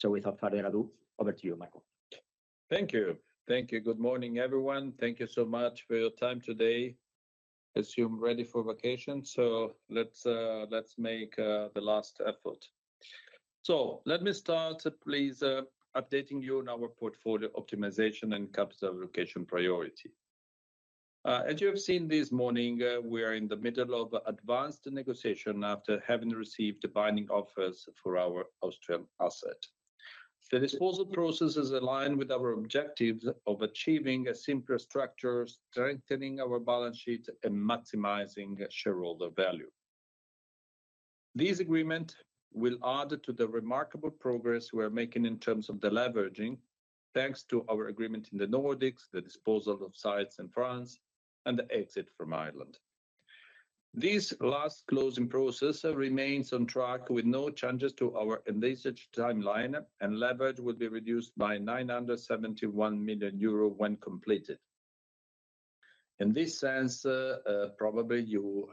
So we have our operator. Over to you, Marco. Thank you. Thank you. Good morning, everyone. Thank you so much for your time today. Assumed ready for vacation. So let's make the last effort. So let me start, please, updating you on our portfolio optimization and capital allocation priority. As you have seen this morning, we are in the middle of advanced negotiation after having received the binding offers for our Austrian asset. The disposal process is aligned with our objectives of achieving a simpler structure, strengthening our balance sheet, and maximizing shareholder value. This agreement will add to the remarkable progress we are making in terms of the deleveraging, thanks to our agreement in the Nordics, the disposal of sites in France, and the exit from Ireland. This last closing process remains on track with no changes to our initially stated timeline, and leverage will be reduced by 971 million euro when completed. In this sense, probably you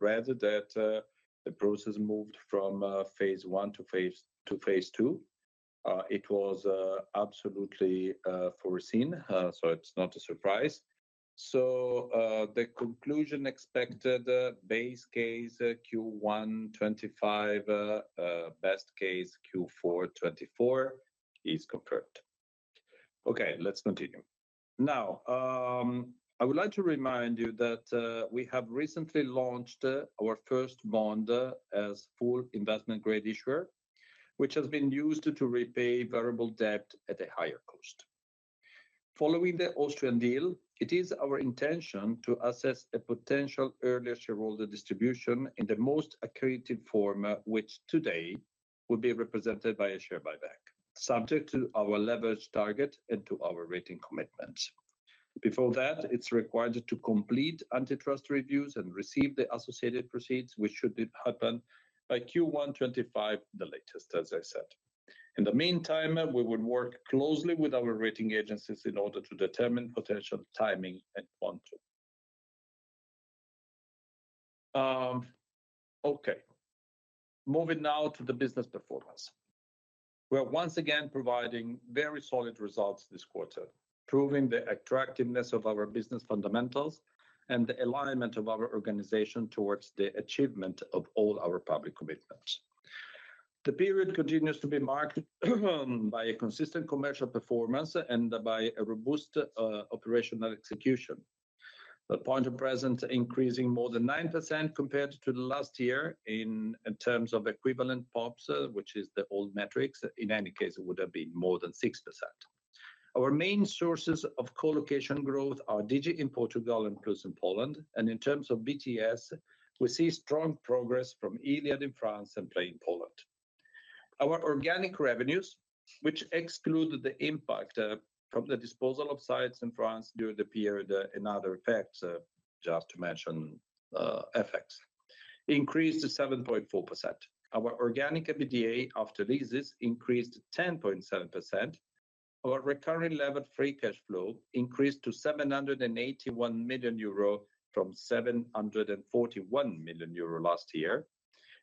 read that the process moved from phase one to phase two. It was absolutely foreseen, so it's not a surprise. So the conclusion expected base case Q1 2025, best case Q4 2024 is confirmed. Okay, let's continue. Now, I would like to remind you that we have recently launched our first bond as full investment-grade issuer, which has been used to repay variable debt at a higher cost. Following the Austrian deal, it is our intention to assess a potential earlier shareholder distribution in the most accurate form, which today will be represented by a share buyback, subject to our leverage target and to our rating commitments. Before that, it's required to complete antitrust reviews and receive the associated proceeds, which should happen by Q1 2025, the latest, as I said. In the meantime, we would work closely with our rating agencies in order to determine potential timing and quantum. Okay, moving now to the business performance. We are once again providing very solid results this quarter, proving the attractiveness of our business fundamentals and the alignment of our organization towards the achievement of all our public commitments. The period continues to be marked by a consistent commercial performance and by a robust operational execution, the points of presence increasing more than 9% compared to the last year in terms of equivalent PoPs, which is the old metrics. In any case, it would have been more than 6%. Our main sources of colocation growth are Digi in Portugal and Plus in Poland. In terms of BTS, we see strong progress from Iliad in France and Play in Poland. Our organic revenues, which exclude the impact from the disposal of sites in France during the period and other effects, just to mention effects, increased to 7.4%. Our organic EBITDA after leases increased to 10.7%. Our recurring levered free cash flow increased to 781 million euro from 741 million euro last year.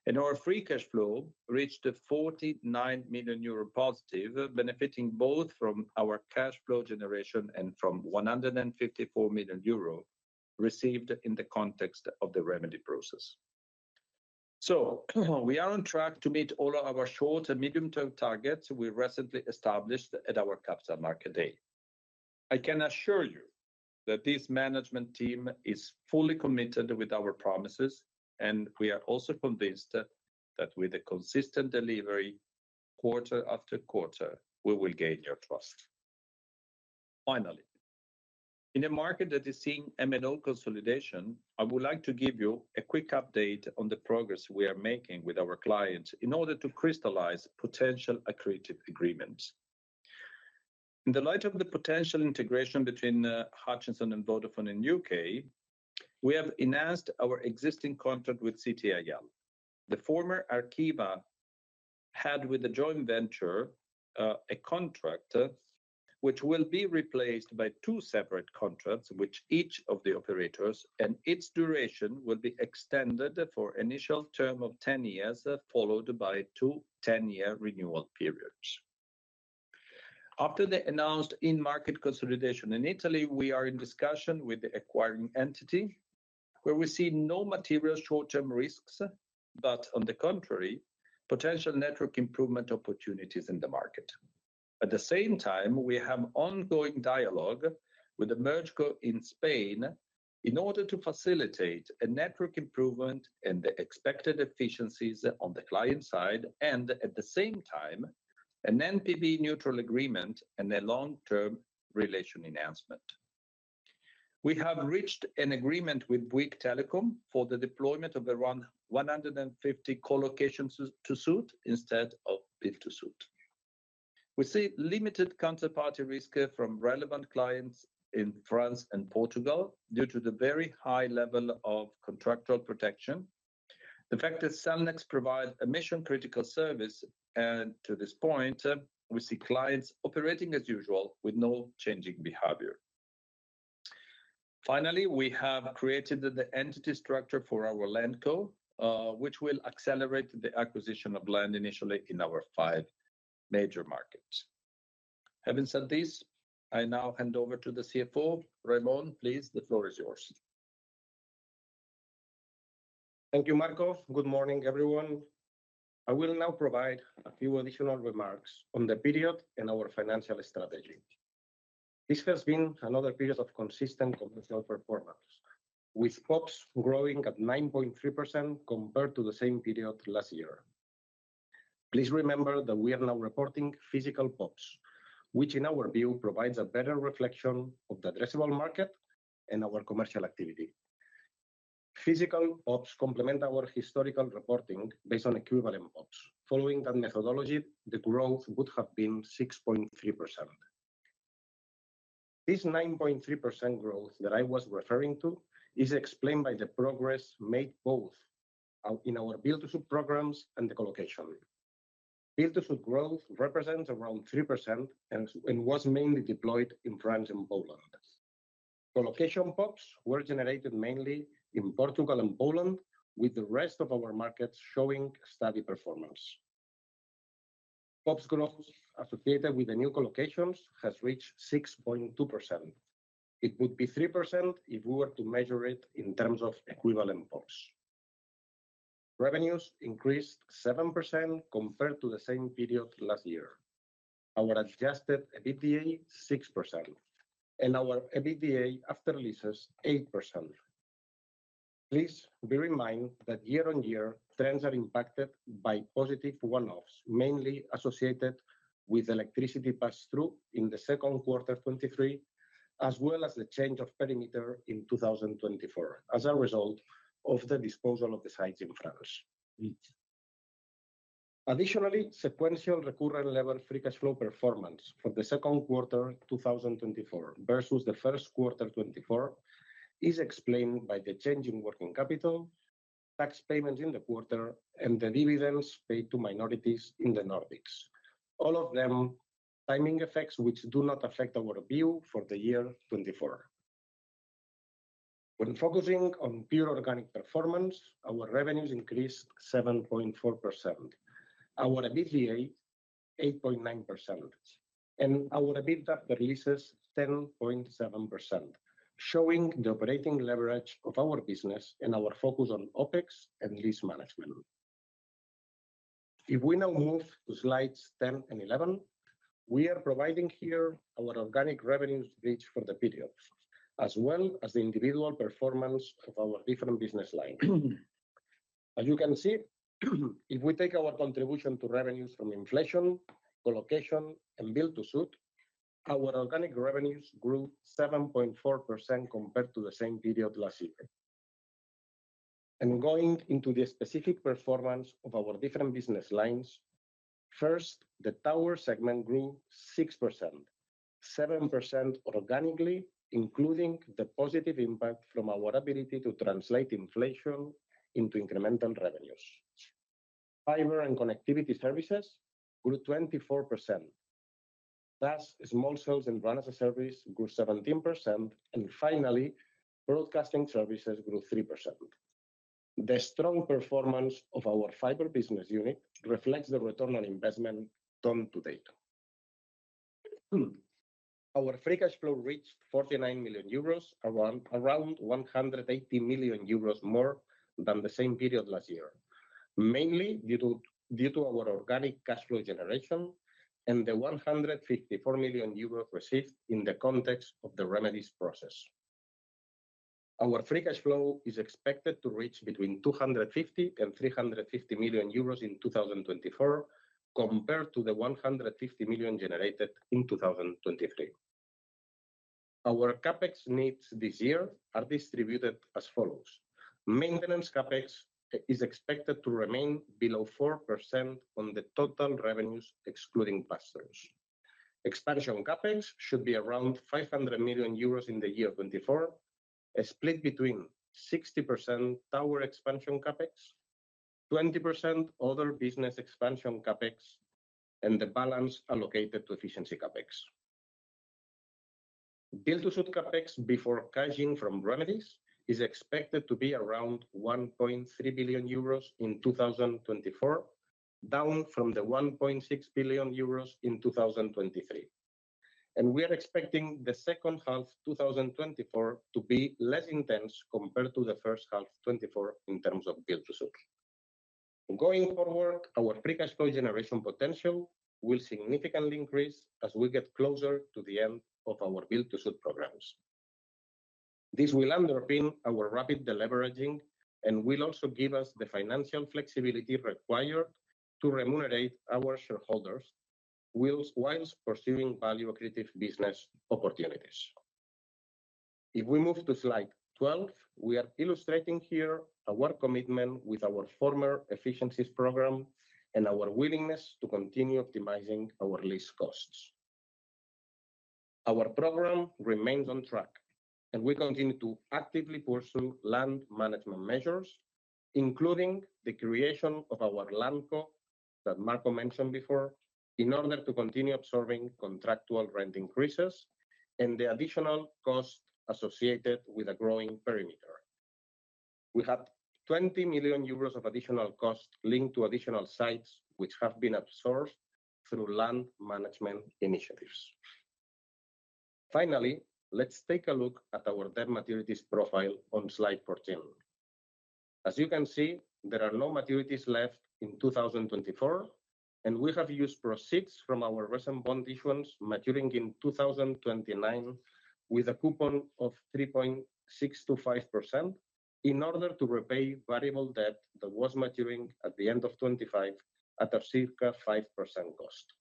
And our free cash flow reached a 49 million euro positive, benefiting both from our cash flow generation and from 154 million euro received in the context of the remedy process. So we are on track to meet all of our short and medium-term targets we recently established at our capital market day. I can assure you that this management team is fully committed with our promises, and we are also convinced that with a consistent delivery quarter after quarter, we will gain your trust. Finally, in a market that is seeing M&A consolidation, I would like to give you a quick update on the progress we are making with our clients in order to crystallize potential accretive agreements. In the light of the potential integration between Hutchison and Vodafone in the U.K., we have enhanced our existing contract with CTIL. The former Arqiva had with the joint venture a contract which will be replaced by two separate contracts with each of the operators, and its duration will be extended for an initial term of 10 years, followed by two 10-year renewal periods. After the announced in-market consolidation in Italy, we are in discussion with the acquiring entity, where we see no material short-term risks, but on the contrary, potential network improvement opportunities in the market. At the same time, we have ongoing dialogue with the merger in Spain in order to facilitate a network improvement and the expected efficiencies on the client side, and at the same time, an NPV neutral agreement and a long-term relation enhancement. We have reached an agreement with Bouygues Telecom for the deployment of around 150 colocations-to-suit instead of build-to-suit. We see limited counterparty risk from relevant clients in France and Portugal due to the very high level of contractual protection. The fact that Cellnex provides a mission-critical service, and to this point, we see clients operating as usual with no changing behavior. Finally, we have created the entity structure for our LandCo, which will accelerate the acquisition of land initially in our five major markets. Having said this, I now hand over to the CFO. Raimon, please, the floor is yours. Thank you, Marco. Good morning, everyone. I will now provide a few additional remarks on the period and our financial strategy. This has been another period of consistent commercial performance, with PoPs growing at 9.3% compared to the same period last year. Please remember that we are now reporting physical PoPs, which in our view provides a better reflection of the addressable market and our commercial activity. Physical PoPs complement our historical reporting based on equivalent PoPs. Following that methodology, the growth would have been 6.3%. This 9.3% growth that I was referring to is explained by the progress made both in our build-to-suit programs and the colocation. build-to-suit growth represents around 3% and was mainly deployed in France and Poland. Colocation PoPs were generated mainly in Portugal and Poland, with the rest of our markets showing steady performance. PoPs growth associated with the new colocations has reached 6.2%. It would be 3% if we were to measure it in terms of equivalent PoPs. Revenues increased 7% compared to the same period last year. Our adjusted EBITDA is 6%, and our EBITDA after leases is 8%. Please bear in mind that year-on-year trends are impacted by positive one-offs, mainly associated with electricity pass-through in the second quarter 2023, as well as the change of perimeter in 2024 as a result of the disposal of the sites in France. Additionally, sequential recurrent levered free cash flow performance for the second quarter 2024 versus the first quarter 2024 is explained by the change in working capital, tax payments in the quarter, and the dividends paid to minorities in the Nordics, all of them timing effects which do not affect our view for the year 2024. When focusing on pure organic performance, our revenues increased 7.4%, our EBITDA was 8.9%, and our EBITDA after Leases was 10.7%, showing the operating leverage of our business and our focus on OpEx and lease management. If we now move to slides 10 and 11, we are providing here our organic revenues reached for the period, as well as the individual performance of our different business lines. As you can see, if we take our contribution to revenues from inflation, colocation, and build-to-suit, our organic revenues grew 7.4% compared to the same period last year. And going into the specific performance of our different business lines, first, the tower segment grew 6%-7% organically, including the positive impact from our ability to translate inflation into incremental revenues. Fiber and connectivity services grew 24%. Thus, small cells and RAN-as-a-Service grew 17%, and finally, broadcasting services grew 3%. The strong performance of our fiber business unit reflects the return on investment done to date. Our free cash flow reached 49 million euros, around 180 million euros more than the same period last year, mainly due to our organic cash flow generation and the 154 million euro received in the context of the remedies process. Our free cash flow is expected to reach between 250 million and 350 million euros in 2024, compared to the 150 million generated in 2023. Our CapEx needs this year are distributed as follows. Maintenance CapEx is expected to remain below 4% on the total revenues, excluding pass-throughs. Expansion CapEx should be around 500 million euros in the year 2024, split between 60% tower expansion CapEx, 20% other business expansion CapEx, and the balance allocated to efficiency CapEx. build-to-suit CapEx before cashing from remedies is expected to be around 1.3 billion euros in 2024, down from the 1.6 billion euros in 2023. We are expecting the second half of 2024 to be less intense compared to the first half of 2024 in terms of build-to-suit. Going forward, our free cash flow generation potential will significantly increase as we get closer to the end of our build-to-suit programs. This will underpin our rapid deleveraging and will also give us the financial flexibility required to remunerate our shareholders while pursuing value-accretive business opportunities. If we move to slide 12, we are illustrating here our commitment with our former efficiencies program and our willingness to continue optimizing our lease costs. Our program remains on track, and we continue to actively pursue land management measures, including the creation of our LandCo that Marco mentioned before, in order to continue absorbing contractual rent increases and the additional cost associated with a growing perimeter. We have 20 million euros of additional costs linked to additional sites, which have been absorbed through land management initiatives. Finally, let's take a look at our debt maturities profile on slide 14. As you can see, there are no maturities left in 2024, and we have used proceeds from our recent bond issuances maturing in 2029 with a coupon of 3.625% in order to repay variable debt that was maturing at the end of 2025 at a circa 5% cost.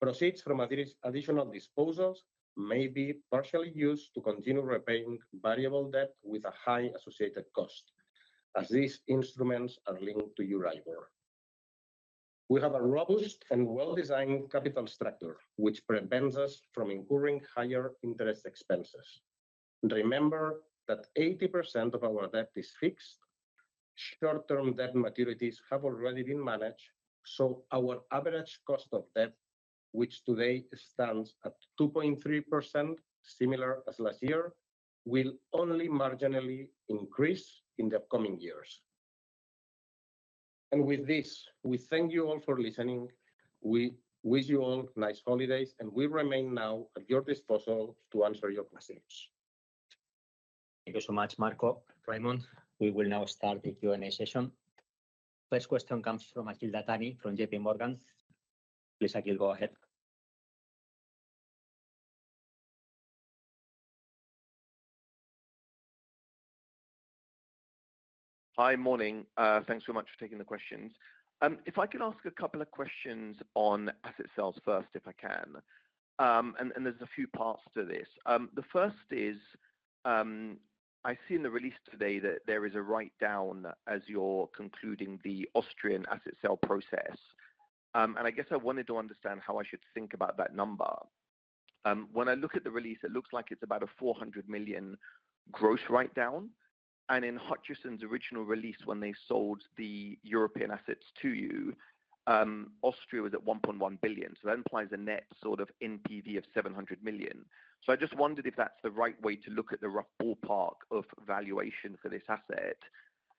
Proceeds from additional disposals may be partially used to continue repaying variable debt with a high associated cost, as these instruments are linked to EURIBOR. We have a robust and well-designed capital structure, which prevents us from incurring higher interest expenses. Remember that 80% of our debt is fixed. Short-term debt maturities have already been managed, so our average cost of debt, which today stands at 2.3%, similar as last year, will only marginally increase in the upcoming years. With this, we thank you all for listening. We wish you all nice holidays, and we remain now at your disposal to answer your questions. Thank you so much, Marco. Raimon, we will now start the Q&A session. First question comes from Akhil Dattani from JPMorgan. Please, Akhil, go ahead. Hi, morning. Thanks so much for taking the questions. If I could ask a couple of questions on asset sales first, if I can. And there's a few parts to this. The first is, I see in the release today that there is a write-down as you're concluding the Austrian asset sale process. And I guess I wanted to understand how I should think about that number. When I look at the release, it looks like it's about a 400 million gross write-down. And in Hutchison's original release, when they sold the European assets to you, Austria was at 1.1 billion. So that implies a net sort of NPV of 700 million. So I just wondered if that's the right way to look at the rough ballpark of valuation for this asset.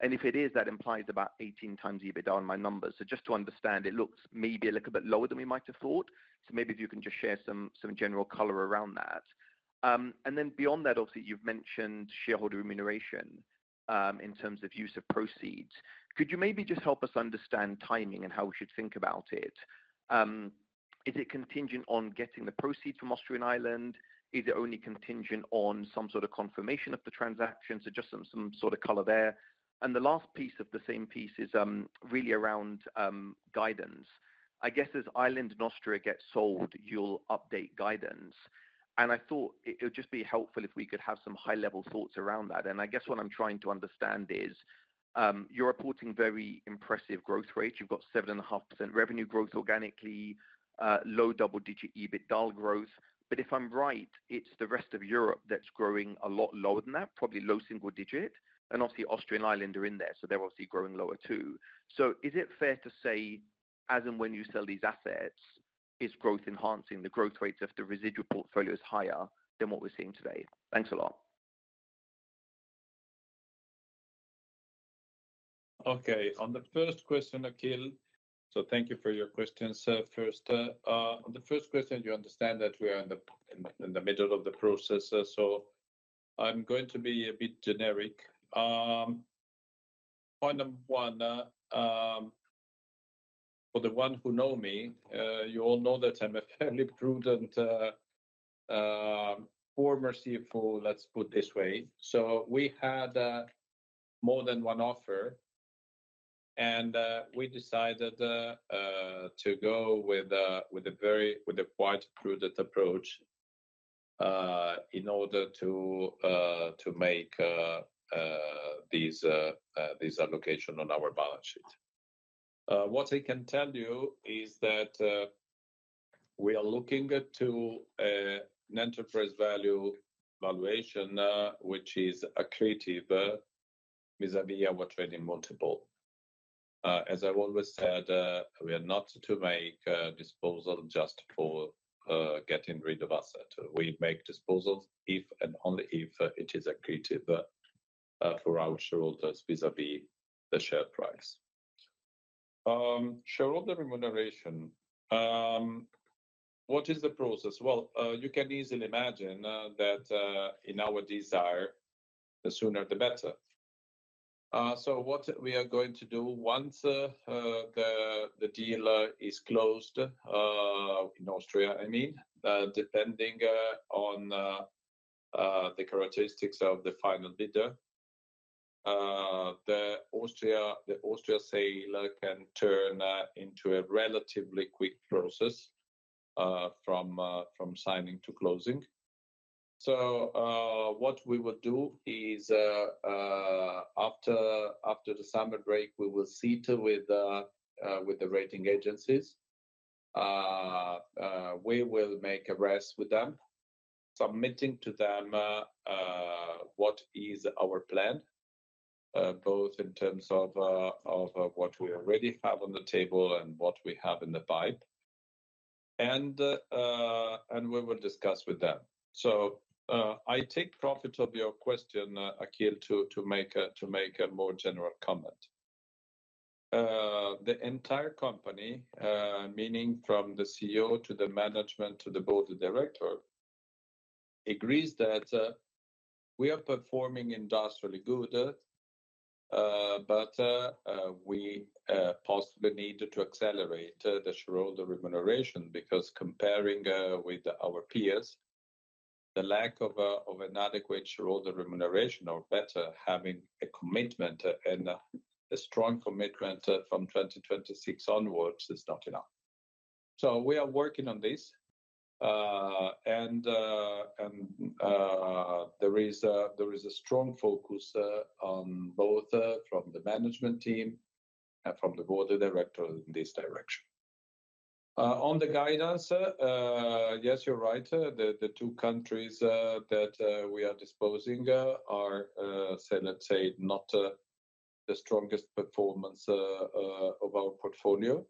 And if it is, that implies about 18x EBITDA on my numbers. So just to understand, it looks maybe a little bit lower than we might have thought. So maybe if you can just share some general color around that. And then beyond that, obviously, you've mentioned shareholder remuneration in terms of use of proceeds. Could you maybe just help us understand timing and how we should think about it? Is it contingent on getting the proceeds from Austria and Ireland? Is it only contingent on some sort of confirmation of the transaction? So just some sort of color there. And the last piece of the same piece is really around guidance. I guess as Ireland and Austria get sold, you'll update guidance. And I thought it would just be helpful if we could have some high-level thoughts around that. And I guess what I'm trying to understand is you're reporting very impressive growth rates. You've got 7.5% revenue growth organically, low double-digit EBITDA growth. But if I'm right, it's the rest of Europe that's growing a lot lower than that, probably low single digit. And obviously, Austria and Ireland are in there, so they're obviously growing lower too. So is it fair to say, as and when you sell these assets, it's growth enhancing, the growth rates of the residual portfolio is higher than what we're seeing today? Thanks a lot. Okay. On the first question, Akhil. So thank you for your questions, first. On the first question, you understand that we are in the middle of the process. So I'm going to be a bit generic. Point number one, for the one who knows me, you all know that I'm a fairly prudent former CFO, let's put it this way. So we had more than one offer, and we decided to go with a quite prudent approach in order to make these allocations on our balance sheet. What I can tell you is that we are looking at an enterprise value valuation, which is accretive vis-à-vis our trading multiple. As I've always said, we are not to make disposal just for getting rid of assets. We make disposals if and only if it is accretive for our shareholders vis-à-vis the share price. Shareholder remuneration, what is the process? Well, you can easily imagine that in our desire, the sooner the better. So what we are going to do once the deal is closed in Austria, I mean, depending on the characteristics of the final bidder, the Austria sale can turn into a relatively quick process from signing to closing. So what we will do is, after the summer break, we will sit with the rating agencies. We will make arrays with them, submitting to them what is our plan, both in terms of what we already have on the table and what we have in the pipe. And we will discuss with them. So I take profit of your question, Akhil, to make a more general comment. The entire company, meaning from the CEO to the management to the board of directors, agrees that we are performing industrially good, but we possibly need to accelerate the shareholder remuneration because, comparing with our peers, the lack of an adequate shareholder remuneration, or better, having a commitment and a strong commitment from 2026 onwards is not enough. So we are working on this. And there is a strong focus on both from the management team and from the board of directors in this direction. On the guidance, yes, you're right. The two countries that we are disposing are, let's say, not the strongest performance of our portfolio.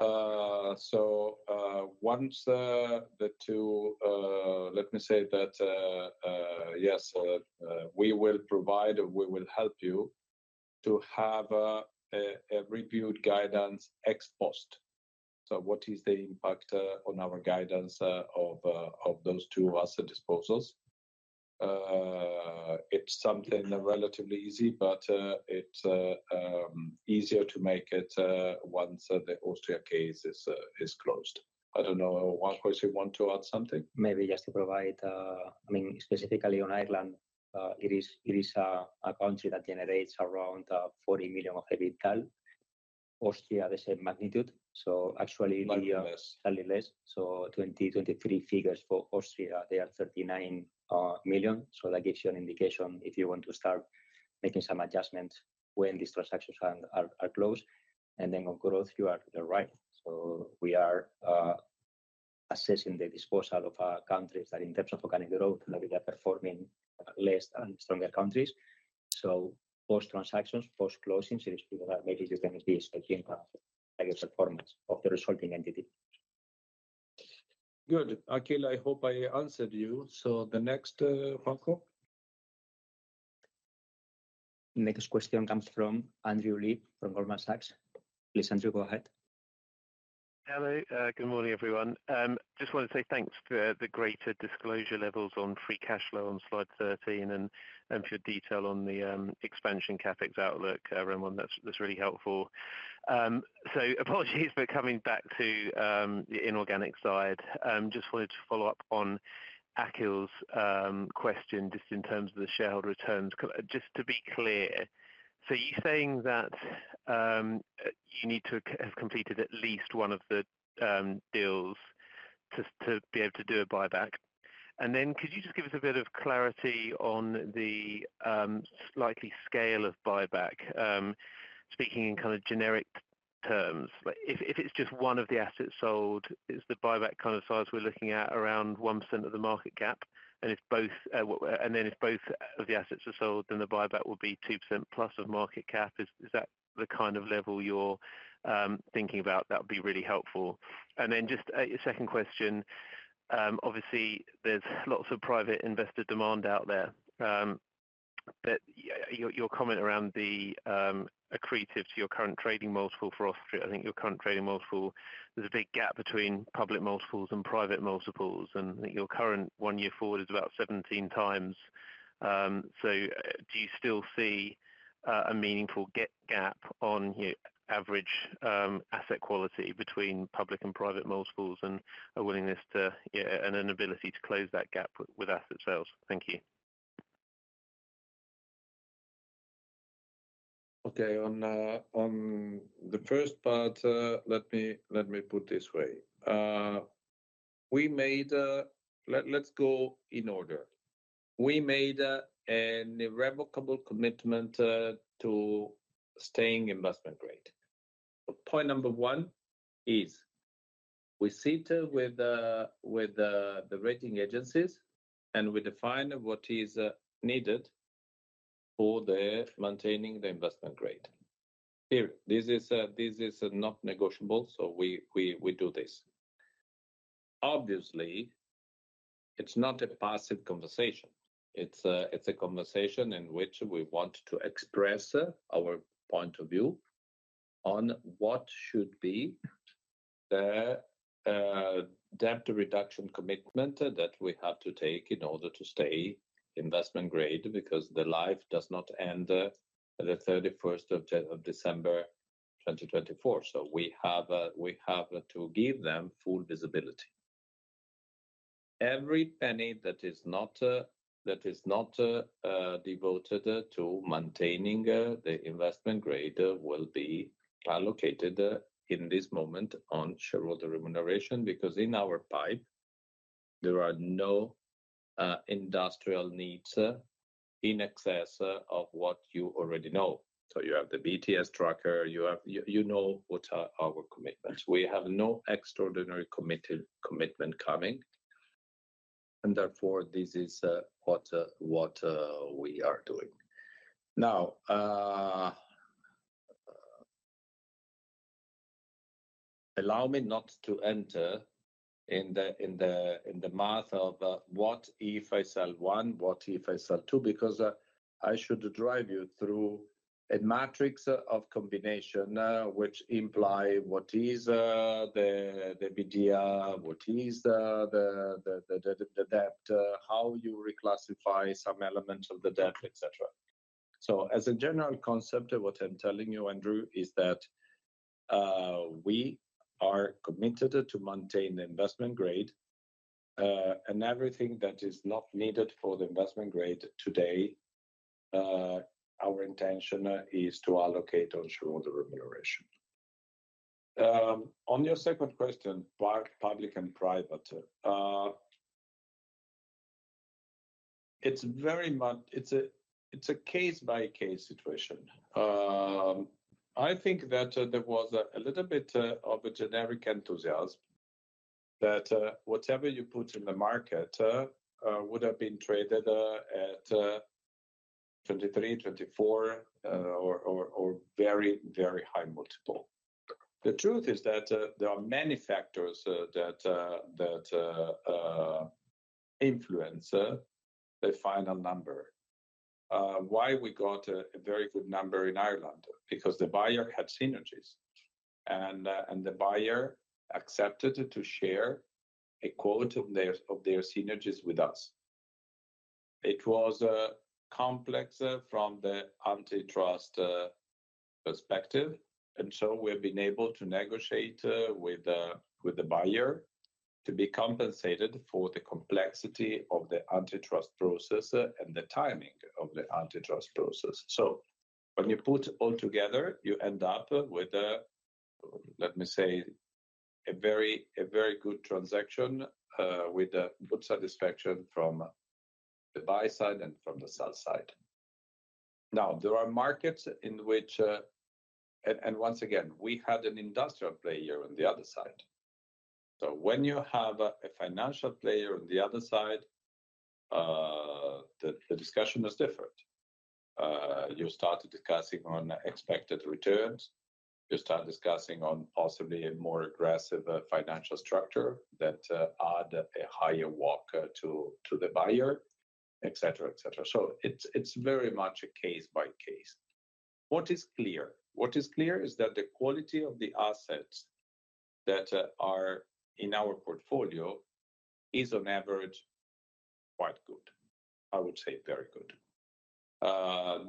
So once the two, let me say that, yes, we will provide or we will help you to have a reviewed guidance ex post. So what is the impact on our guidance of those two asset disposals? It's something relatively easy, but it's easier to make it once the Austria case is closed. I don't know. Marco, if you want to add something. Maybe just to provide, I mean, specifically on Ireland, it is a country that generates around 40 million of EBITDA. Austria has the same magnitude. So actually. Not even less. Slightly less. So 2023 figures for Austria, they are 39 million. So that gives you an indication if you want to start making some adjustments when these transactions are closed. And then on growth, you are right. So we are assessing the disposal of countries that, in terms of organic growth, that we are performing less than stronger countries. So post-transactions, post-closings, maybe you can be speaking of a performance of the resulting entity. Good. Akhil, I hope I answered you. So the next, Marco? Next question comes from Andrew Lee from Goldman Sachs. Please, Andrew, go ahead. Hello. Good morning, everyone. Just wanted to say thanks for the greater disclosure levels on free cash flow on slide 13 and for your detail on the expansion CapEx outlook, Raimon. That's really helpful. So apologies for coming back to the inorganic side. Just wanted to follow up on Akhil's question just in terms of the shareholder returns. Just to be clear, so you're saying that you need to have completed at least one of the deals to be able to do a buyback. And then could you just give us a bit of clarity on the scale of buyback, speaking in kind of generic terms? If it's just one of the assets sold, is the buyback kind of size we're looking at around 1% of the market cap? And then if both of the assets are sold, then the buyback would be 2%+ of market cap. Is that the kind of level you're thinking about? That would be really helpful. And then just a second question. Obviously, there's lots of private investor demand out there. But your comment around the accretive to your current trading multiple for Austria, I think your current trading multiple, there's a big gap between public multiples and private multiples. And I think your current one-year forward is about 17x. So do you still see a meaningful gap on average asset quality between public and private multiples and an ability to close that gap with asset sales? Thank you. Okay. On the first part, let me put it this way. Let's go in order. We made an irrevocable commitment to staying investment grade. Point number one is we sit with the rating agencies and we define what is needed for maintaining the investment grade. This is not negotiable, so we do this. Obviously, it's not a passive conversation. It's a conversation in which we want to express our point of view on what should be the debt reduction commitment that we have to take in order to stay investment grade because the life does not end the 31st of December 2024. So we have to give them full visibility. Every penny that is not devoted to maintaining the investment grade will be allocated in this moment on shareholder remuneration because in our pipe, there are no industrial needs in excess of what you already know. So you have the BTS tracker. You know what our commitment is. We have no extraordinary commitment coming. And therefore, this is what we are doing. Now, allow me not to enter in the math of what if I sell one, what if I sell two, because I should drive you through a matrix of combination which implies what is the BDR, what is the debt, how you reclassify some elements of the debt, etc. So as a general concept, what I'm telling you, Andrew, is that we are committed to maintain the investment grade. And everything that is not needed for the investment grade today, our intention is to allocate on shareholder remuneration. On your second question, public and private, it's a case-by-case situation. I think that there was a little bit of a generic enthusiasm that whatever you put in the market would have been traded at 23, 24, or very, very high multiple. The truth is that there are many factors that influence the final number. Why we got a very good number in Ireland? Because the buyer had synergies. And the buyer accepted to share a quote of their synergies with us. It was complex from the antitrust perspective. And so we have been able to negotiate with the buyer to be compensated for the complexity of the antitrust process and the timing of the antitrust process. So when you put it all together, you end up with, let me say, a very good transaction with good satisfaction from the buy side and from the sell side. Now, there are markets in which, and once again, we had an industrial player on the other side. So when you have a financial player on the other side, the discussion is different. You start discussing on expected returns. You start discussing on possibly a more aggressive financial structure that adds a higher WACC to the buyer, etc., etc. So it's very much a case-by-case. What is clear? What is clear is that the quality of the assets that are in our portfolio is, on average, quite good. I would say very good.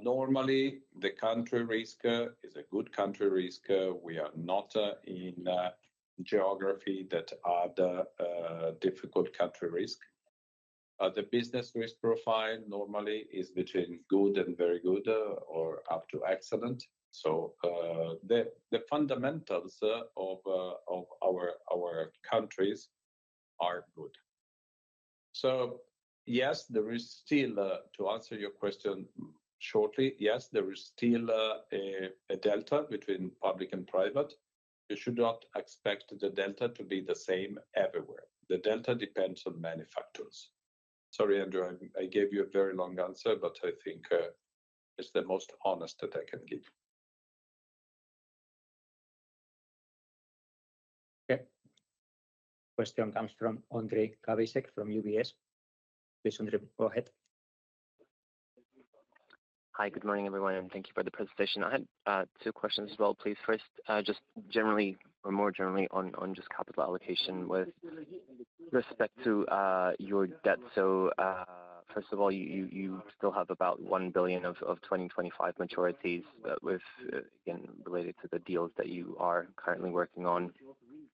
Normally, the country risk is a good country risk. We are not in geography that adds difficult country risk. The business risk profile normally is between good and very good or up to excellent. So the fundamentals of our countries are good. So yes, there is still, to answer your question shortly, yes, there is still a delta between public and private. You should not expect the delta to be the same everywhere. The delta depends on many factors. Sorry, Andrew, I gave you a very long answer, but I think it's the most honest that I can give. Okay. Question comes from Ondrej Cabejšek from UBS. Please, Ondrej, go ahead. Hi, good morning, everyone, and thank you for the presentation. I had two questions as well. Please, first, just generally or more generally on just capital allocation with respect to your debt. So first of all, you still have about 1 billion of 2025 maturities related to the deals that you are currently working on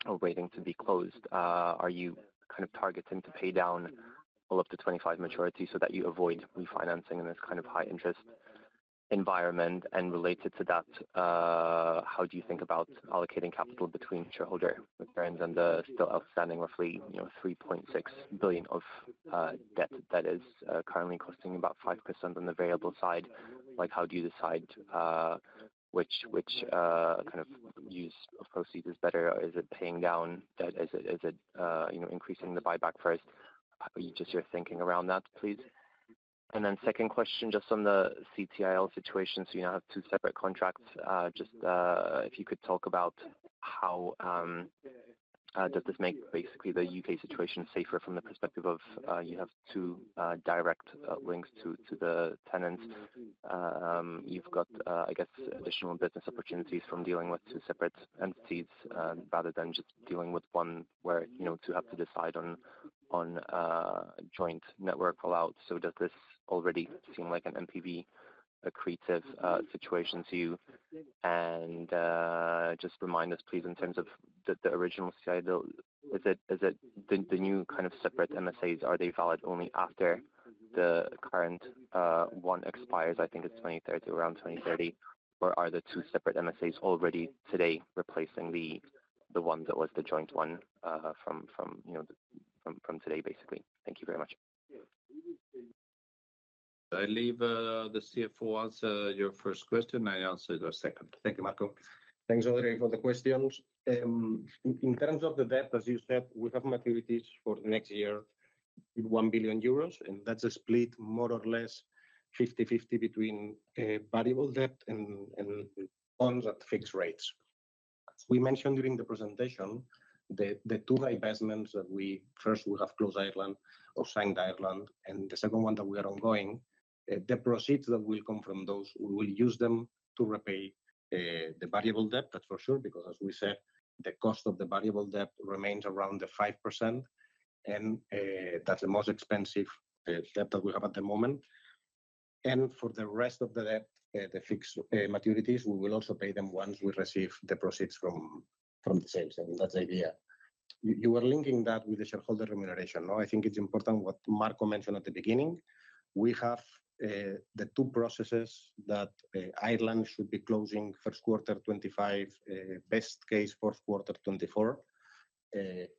or waiting to be closed. Are you kind of targeting to pay down all of the 2025 maturities so that you avoid refinancing in this kind of high-interest environment? And related to that, how do you think about allocating capital between shareholder returns and the still outstanding roughly 3.6 billion of debt that is currently costing about 5% on the variable side? How do you decide which kind of use of proceeds is better? Is it paying down debt? Is it increasing the buyback first? Just your thinking around that, please. And then second question, just on the CTIL situation. So you now have two separate contracts. Just if you could talk about how does this make basically the U.K. situation safer from the perspective of you have two direct links to the tenants. You've got, I guess, additional business opportunities from dealing with two separate entities rather than just dealing with one where you have to decide on joint network rollout. So does this already seem like an NPV accretive situation to you? And just remind us, please, in terms of the original CTIL, is it the new kind of separate MSAs, are they valid only after the current one expires, I think it's 2030, around 2030? Or are the two separate MSAs already today replacing the one that was the joint one from today, basically? Thank you very much. I'll leave the CFO to answer your first question. I answered the second. Thank you, Marco. Thanks, Ondrej, for the questions. In terms of the debt, as you said, we have maturities for the next year with 1 billion euros. And that's a split more or less 50/50 between variable debt and bonds at fixed rates. As we mentioned during the presentation, the two divestments that we first will have closed Ireland or signed Ireland, and the second one that we are ongoing, the proceeds that will come from those, we will use them to repay the variable debt, that's for sure, because as we said, the cost of the variable debt remains around the 5%. And that's the most expensive debt that we have at the moment. And for the rest of the debt, the fixed maturities, we will also pay them once we receive the proceeds from the sales. I mean, that's the idea. You were linking that with the shareholder remuneration. I think it's important what Marco mentioned at the beginning. We have the two processes that Ireland should be closing first quarter 2025, best case fourth quarter 2024.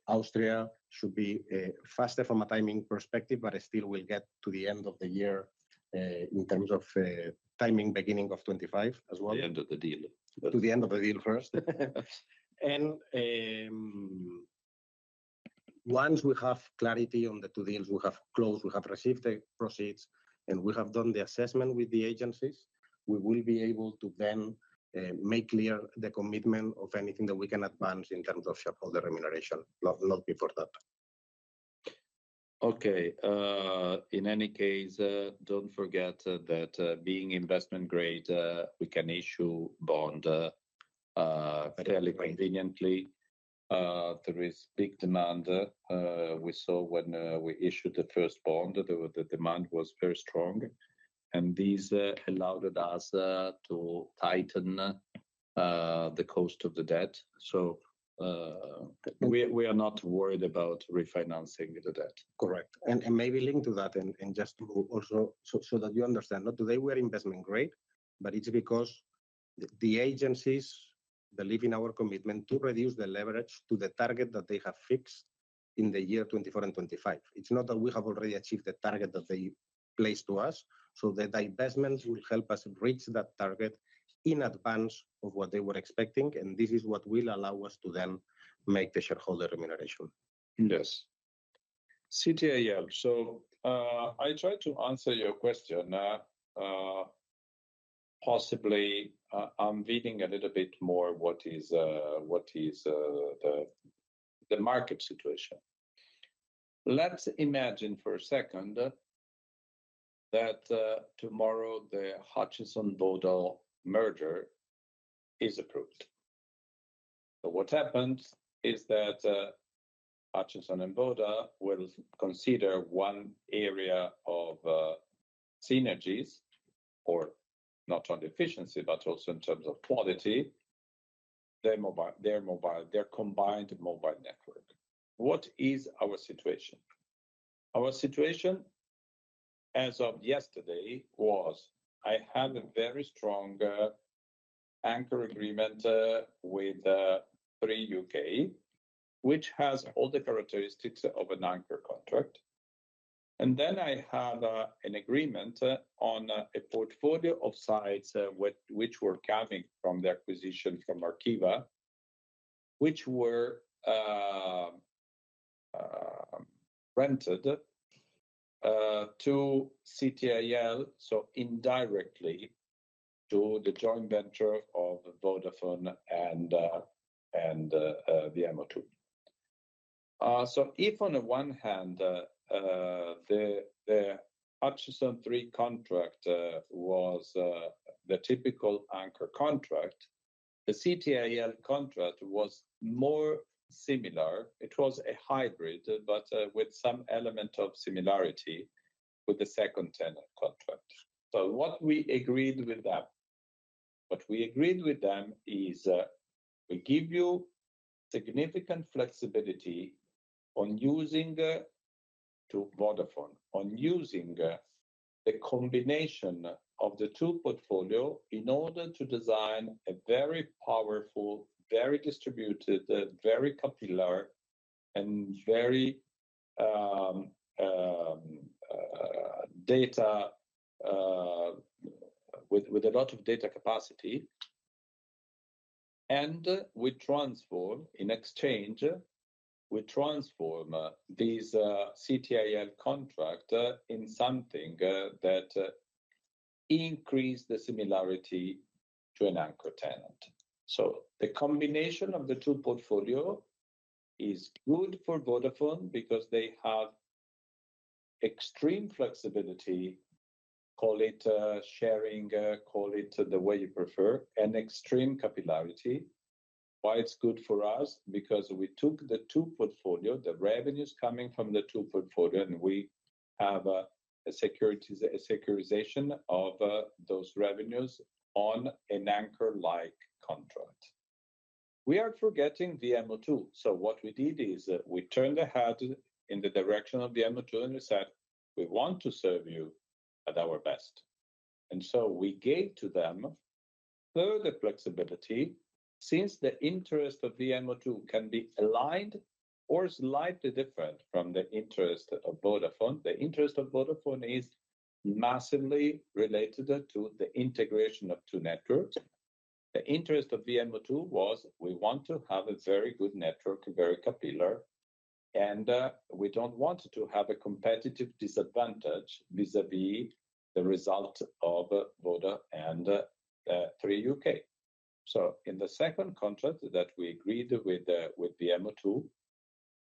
Austria should be faster from a timing perspective, but still will get to the end of the year in terms of timing beginning of 2025 as well. The end of the deal. To the end of the deal first. Once we have clarity on the two deals we have closed, we have received the proceeds, and we have done the assessment with the agencies, we will be able to then make clear the commitment of anything that we can advance in terms of shareholder remuneration, not before that. Okay. In any case, don't forget that being Investment Grade, we can issue bond fairly conveniently. There is big demand. We saw when we issued the first bond, the demand was very strong. These allowed us to tighten the cost of the debt. We are not worried about refinancing the debt. Correct. And maybe link to that and just also so that you understand. Today, we are Investment Grade, but it's because the agencies believe in our commitment to reduce the leverage to the target that they have fixed in the year 2024 and 2025. It's not that we have already achieved the target that they placed to us. So the divestments will help us reach that target in advance of what they were expecting. And this is what will allow us to then make the shareholder remuneration. Yes. CTIL. So I tried to answer your question. Possibly, I'm reading a little bit more what is the market situation. Let's imagine for a second that tomorrow the Hutchison-Vodafone merger is approved. What happens is that Hutchison and Vodafone will consider one area of synergies, or not on efficiency, but also in terms of quality, their combined mobile network. What is our situation? Our situation as of yesterday was I had a very strong anchor agreement with Three U.K., which has all the characteristics of an anchor contract. And then I had an agreement on a portfolio of sites which were coming from the acquisition from Arqiva, which were rented to CTIL, so indirectly to the joint venture of Vodafone and VMO2. So if on the one hand, the Hutchison 3 contract was the typical anchor contract, the CTIL contract was more similar. It was a hybrid, but with some element of similarity with the second tenant contract. So what we agreed with them, what we agreed with them is we give you significant flexibility on using to Vodafone, on using the combination of the two portfolio in order to design a very powerful, very distributed, very capillary, and very data with a lot of data capacity. And we transform in exchange, we transform these CTIL contract in something that increases the similarity to an anchor tenant. So the combination of the two portfolio is good for Vodafone because they have extreme flexibility, call it sharing, call it the way you prefer, and extreme capillarity. Why it's good for us? Because we took the two portfolio, the revenues coming from the two portfolio, and we have a securitization of those revenues on an anchor-like contract. We are forgetting VMO2. So what we did is we turned our head in the direction of VMO2 and we said, "We want to serve you at our best." And so we gave to them further flexibility since the interest of VMO2 can be aligned or slightly different from the interest of Vodafone. The interest of Vodafone is massively related to the integration of two networks. The interest of VMO2 was we want to have a very good network, very capillary, and we don't want to have a competitive disadvantage vis-à-vis the result otf Vodafone and Three U.K.. So in the second contract that we agreed with VMO2,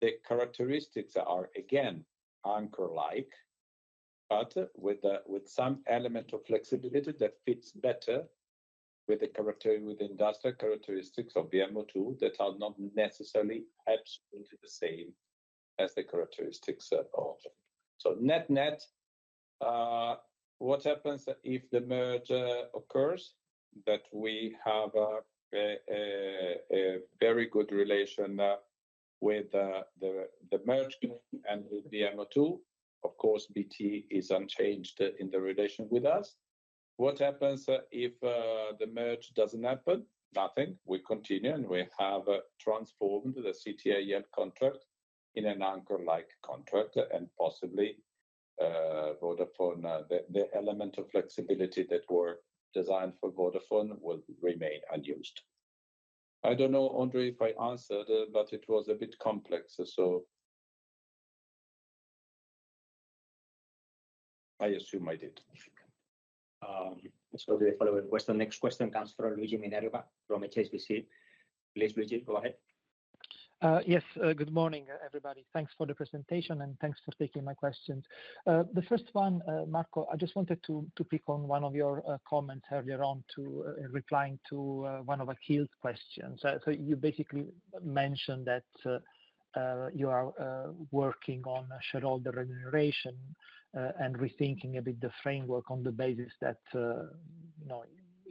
the characteristics are again anchor-like, but with some element of flexibility that fits better with the industrial characteristics of VMO2 that are not necessarily absolutely the same as the characteristics of. So net-net, what happens if the merger occurs? That we have a very good relation with the merger and with VMO2. Of course, BT is unchanged in the relation with us. What happens if the merger doesn't happen? Nothing. We continue and we have transformed the CTIL contract in an anchor-like contract and possibly Vodafone, the element of flexibility that were designed for Vodafone will remain unused. I don't know, Ondrej, if I answered, but it was a bit complex. So I assume I did. So the following question, next question comes from Luigi Minerva from HSBC. Please, Luigi, go ahead. Yes. Good morning, everybody. Thanks for the presentation and thanks for taking my questions. The first one, Marco, I just wanted to pick on one of your comments earlier on to replying to one of Akhil's questions. So you basically mentioned that you are working on shareholder remuneration and rethinking a bit the framework on the basis that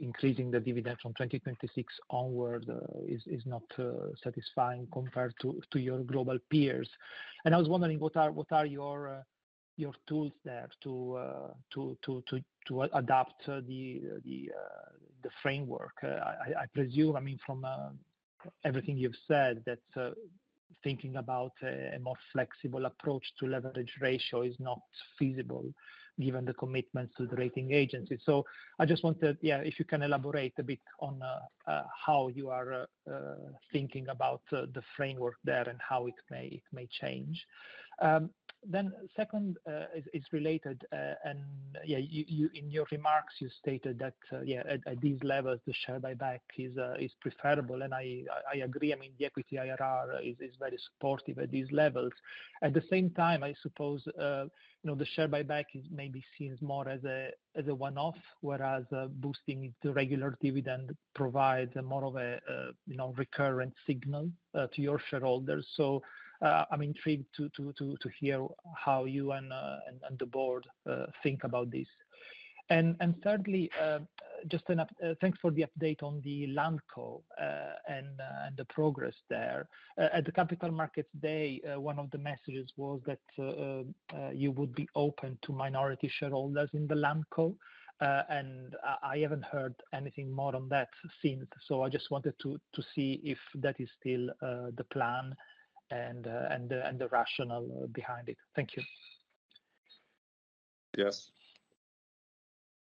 increasing the dividend from 2026 onward is not satisfying compared to your global peers. And I was wondering, what are your tools there to adapt the framework? I presume, I mean, from everything you've said, that thinking about a more flexible approach to leverage ratio is not feasible given the commitments to the rating agency. So I just wanted, yeah, if you can elaborate a bit on how you are thinking about the framework there and how it may change. Then second is related. Yeah, in your remarks, you stated that, yeah, at these levels, the share buyback is preferable. I agree. I mean, the equity IRR is very supportive at these levels. At the same time, I suppose the share buyback is maybe seen more as a one-off, whereas boosting the regular dividend provides more of a recurrent signal to your shareholders. So I'm intrigued to hear how you and the board think about this. And thirdly, just thanks for the update on the LandCo and the progress there. At the Capital Markets Day, one of the messages was that you would be open to minority shareholders in the LandCo. I haven't heard anything more on that since. So I just wanted to see if that is still the plan and the rationale behind it. Thank you. Yes.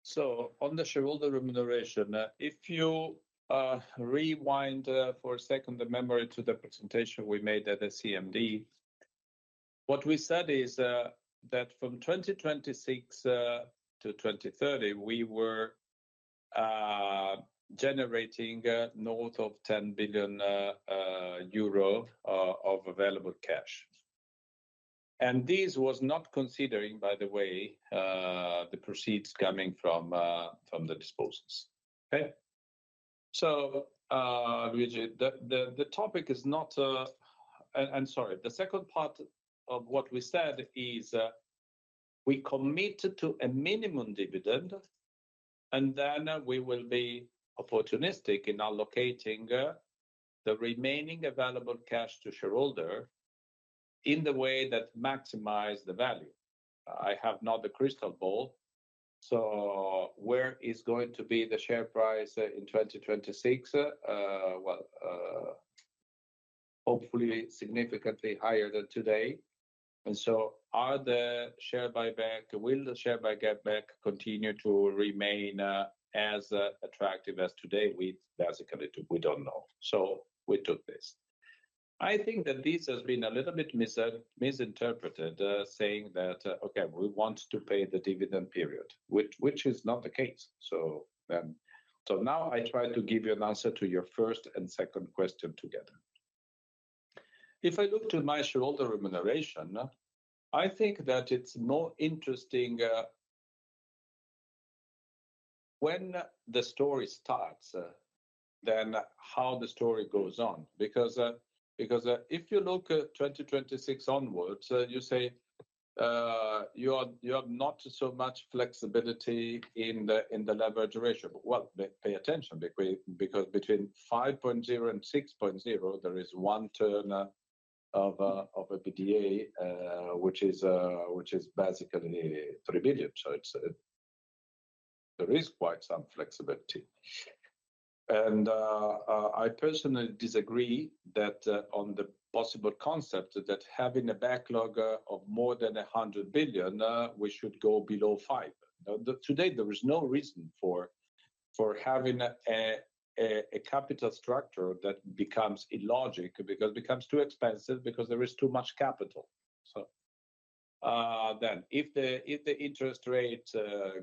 So on the shareholder remuneration, if you rewind for a second the memory to the presentation we made at the CMD, what we said is that from 2026 to 2030, we were generating north of 10 billion euro of available cash. And this was not considering, by the way, the proceeds coming from the disposals. Okay? So, Luigi, the topic is not and sorry, the second part of what we said is we committed to a minimum dividend, and then we will be opportunistic in allocating the remaining available cash to shareholders in the way that maximizes the value. I have not the crystal ball. So where is going to be the share price in 2026? Well, hopefully significantly higher than today. And so are the share buyback, will the share buyback continue to remain as attractive as today? We basically don't know. So we took this. I think that this has been a little bit misinterpreted, saying that, okay, we want to pay the dividend period, which is not the case. So now I try to give you an answer to your first and second question together. If I look to my shareholder remuneration, I think that it's more interesting when the story starts than how the story goes on. Because if you look 2026 onwards, you say you have not so much flexibility in the leverage ratio. Well, pay attention, because between 5.0 and 6.0, there is one turn of an EBITDA, which is basically 3 billion. So there is quite some flexibility. And I personally disagree that on the possible concept that having a backlog of more than 100 billion, we should go below 5. Today, there is no reason for having a capital structure that becomes illogical because it becomes too expensive because there is too much capital. So then if the interest rates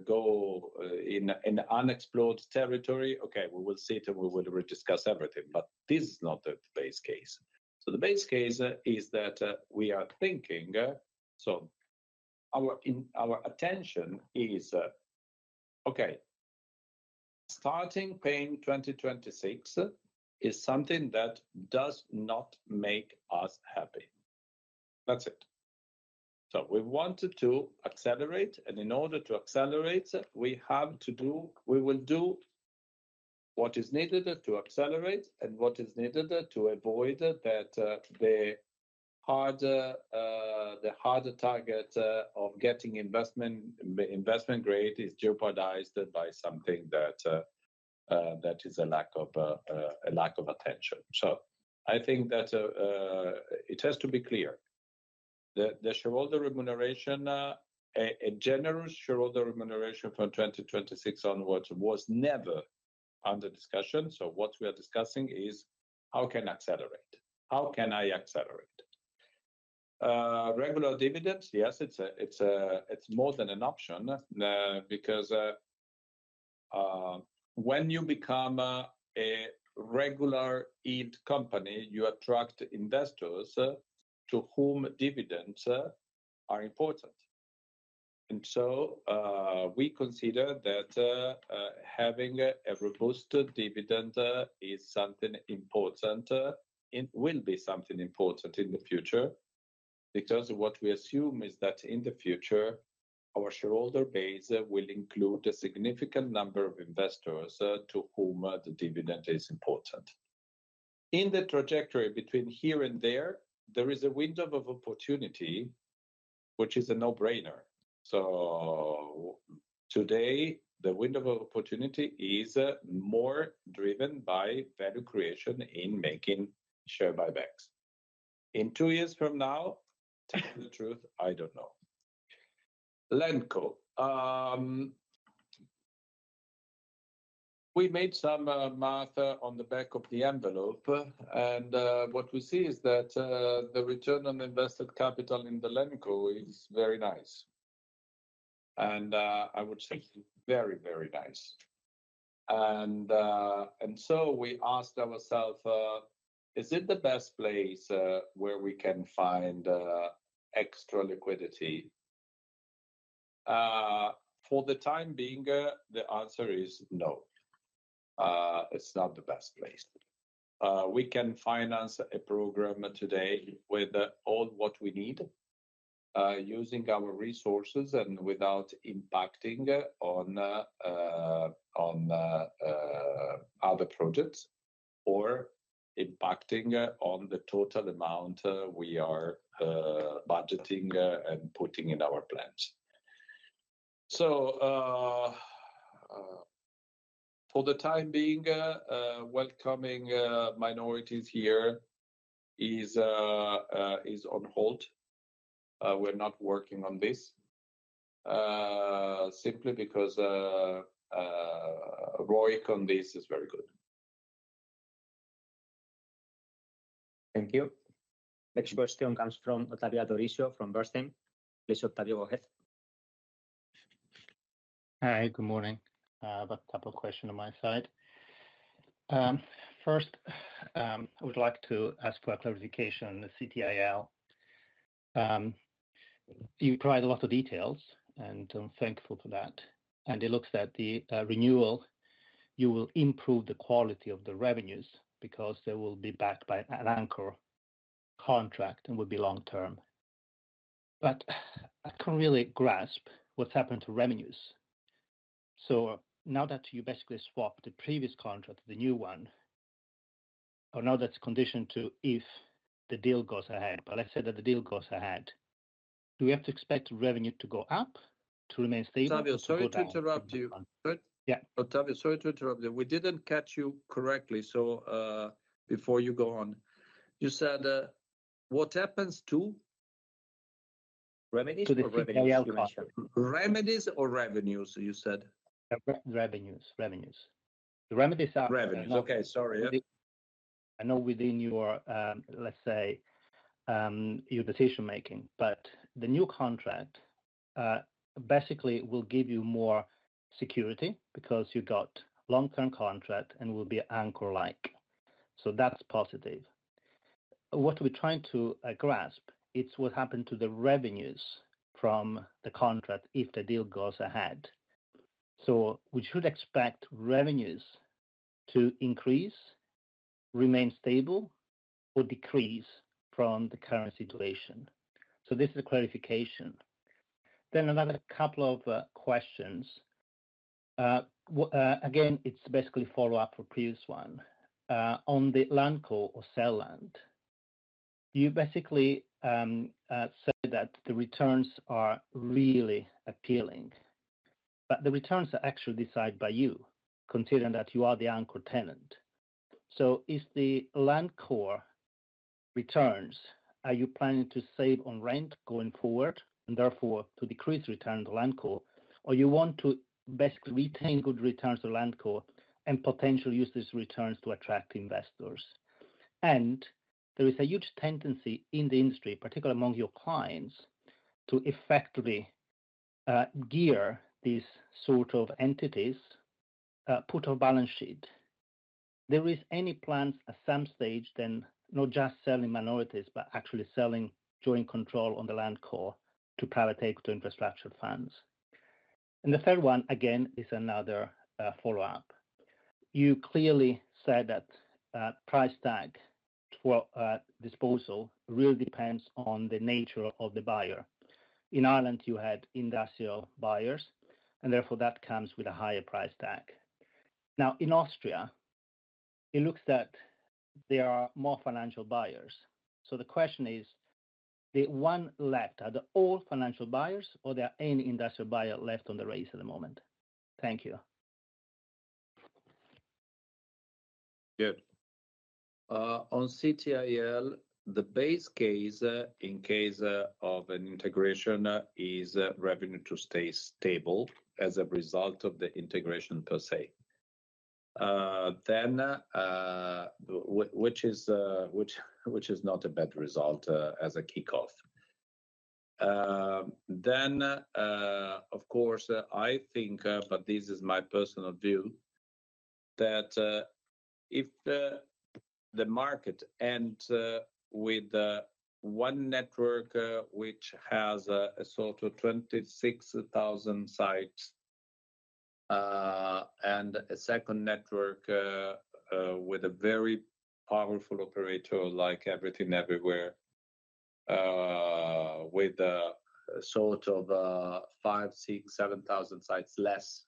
go in unexplored territory, okay, we will see it and we will rediscuss everything. But this is not the base case. So the base case is that we are thinking, so our attention is, okay, starting paying 2026 is something that does not make us happy. That's it. So we wanted to accelerate. And in order to accelerate, we have to do, we will do what is needed to accelerate and what is needed to avoid that the hard target of getting Investment Grade is jeopardized by something that is a lack of attention. So I think that it has to be clear that the shareholder remuneration, a generous shareholder remuneration from 2026 onwards was never under discussion. So what we are discussing is how can I accelerate? How can I accelerate? Regular dividends, yes, it's more than an option because when you become a regular company, you attract investors to whom dividends are important. And so we consider that having a robust dividend is something important. It will be something important in the future because what we assume is that in the future, our shareholder base will include a significant number of investors to whom the dividend is important. In the trajectory between here and there, there is a window of opportunity, which is a no-brainer. So today, the window of opportunity is more driven by value creation in making share buybacks. In two years from now, tell the truth, I don't know. LandCo. We made some math on the back of the envelope. What we see is that the return on invested capital in the LandCo is very nice. I would say very, very nice. So we asked ourselves, is it the best place where we can find extra liquidity? For the time being, the answer is no. It's not the best place. We can finance a program today with all what we need using our resources and without impacting on other projects or impacting on the total amount we are budgeting and putting in our plans. So for the time being, welcoming minorities here is on hold. We're not working on this simply because ROI on this is very good. Thank you. Next question comes from Ottavio Adorisio from Bernstein. Please, Ottavio, go ahead. Hi, good morning. I have a couple of questions on my side. First, I would like to ask for a clarification. The CTIL, you provide a lot of details and I'm thankful for that. And it looks that the renewal, you will improve the quality of the revenues because they will be backed by an anchor contract and will be long-term. But I can't really grasp what's happened to revenues. So now that you basically swapped the previous contract with the new one, or now that's conditioned to if the deal goes ahead, but let's say that the deal goes ahead, do we have to expect revenue to go up to remain stable? Ottavio, sorry to interrupt you. Sorry, Ottavio, sorry to interrupt you. We didn't catch you correctly. Before you go on, you said what happens to? Remedies or revenues? Remedies or revenues, you said? Revenues. Revenues. The remedies are. Revenues. Okay. Sorry. I know within your, let's say, your decision-making, but the new contract basically will give you more security because you got a long-term contract and will be anchor-like. So that's positive. What we're trying to grasp, it's what happened to the revenues from the contract if the deal goes ahead. So we should expect revenues to increase, remain stable, or decrease from the current situation. So this is a clarification. Then another couple of questions. Again, it's basically follow-up for the previous one. On the LandCo or Celland, you basically said that the returns are really appealing, but the returns are actually decided by you, considering that you are the anchor tenant. So if the LandCo returns, are you planning to save on rent going forward and therefore to decrease returns on LandCo, or you want to basically retain good returns on LandCo and potentially use these returns to attract investors? And there is a huge tendency in the industry, particularly among your clients, to effectively gear these sort of entities put on a balance sheet. Are there any plans at some stage then not just selling minorities, but actually selling joint control on the LandCo to private, take to infrastructure funds. And the third one, again, is another follow-up. You clearly said that price tag for disposal really depends on the nature of the buyer. In Ireland, you had industrial buyers, and therefore that comes with a higher price tag. Now, in Austria, it looks that there are more financial buyers. The question is, the one left, are there all financial buyers or there are any industrial buyers left on the race at the moment? Thank you. Yeah. On CTIL, the base case in case of an integration is revenue to stay stable as a result of the integration per se, which is not a bad result as a kickoff. Then, of course, I think, but this is my personal view, that if the market ends with one network which has a sort of 26,000 sites and a second network with a very powerful operator like Everything Everywhere with a sort of 5,000, 6,000, 7,000 sites less,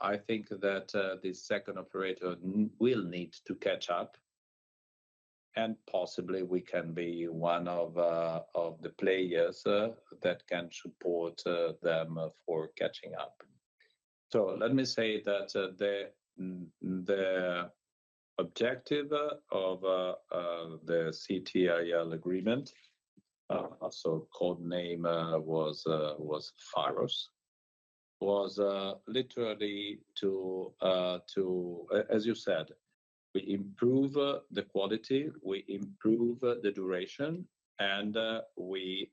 I think that the second operator will need to catch up. And possibly we can be one of the players that can support them for catching up. So let me say that the objective of the CTIL agreement, so code name was Pharos, was literally to, as you said, we improve the quality, we improve the duration, and we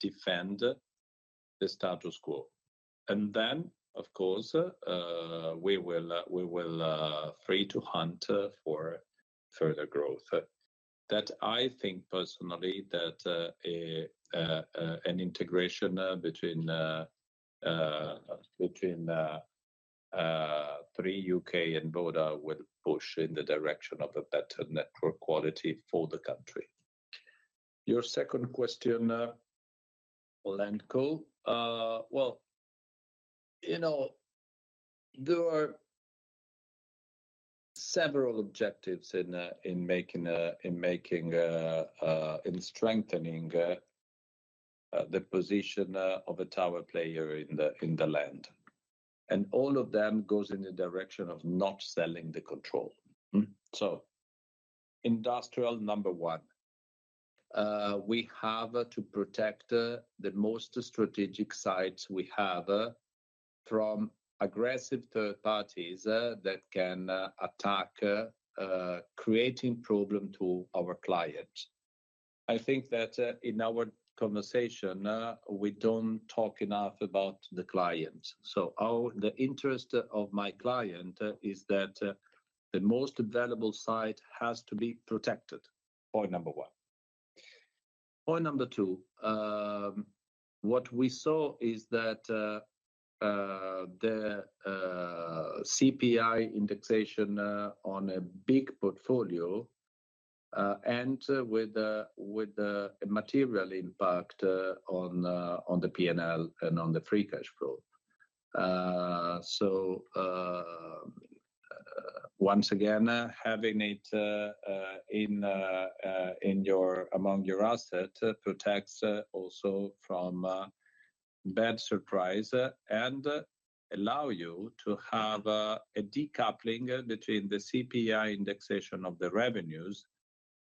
defend the status quo. And then, of course, we will be free to hunt for further growth. I think personally that an integration between Three U.K. and Vodafone will push in the direction of a better network quality for the country. Your second question, LandCo—well, there are several objectives in making and strengthening the position of a tower player in the Netherlands. And all of them go in the direction of not selling the control. So industrially, number one, we have to protect the most strategic sites we have from aggressive third parties that can attack, creating problems to our clients. I think that in our conversation, we don't talk enough about the client. So the interest of my client is that the most valuable site has to be protected. Point number one. Point number two, what we saw is that the CPI indexation on a big portfolio ends with a material impact on the P&L and on the free cash flow. So once again, having it among your assets protects also from bad surprises and allows you to have a decoupling between the CPI indexation of the revenues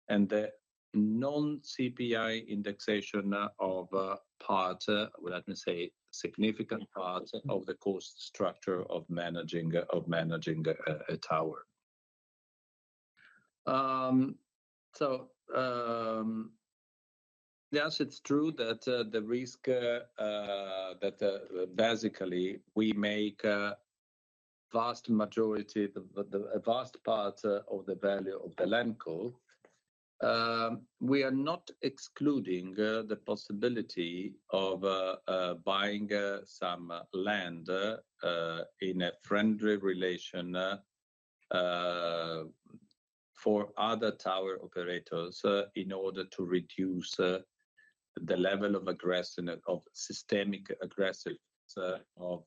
and the non-CPI indexation of part, let me say, significant part of the cost structure of managing a tower. So yes, it's true that the risk that basically we make vast majority, the vast part of the value of the LandCo, we are not excluding the possibility of buying some land in a friendly relation for other tower operators in order to reduce the level of systemic aggressiveness of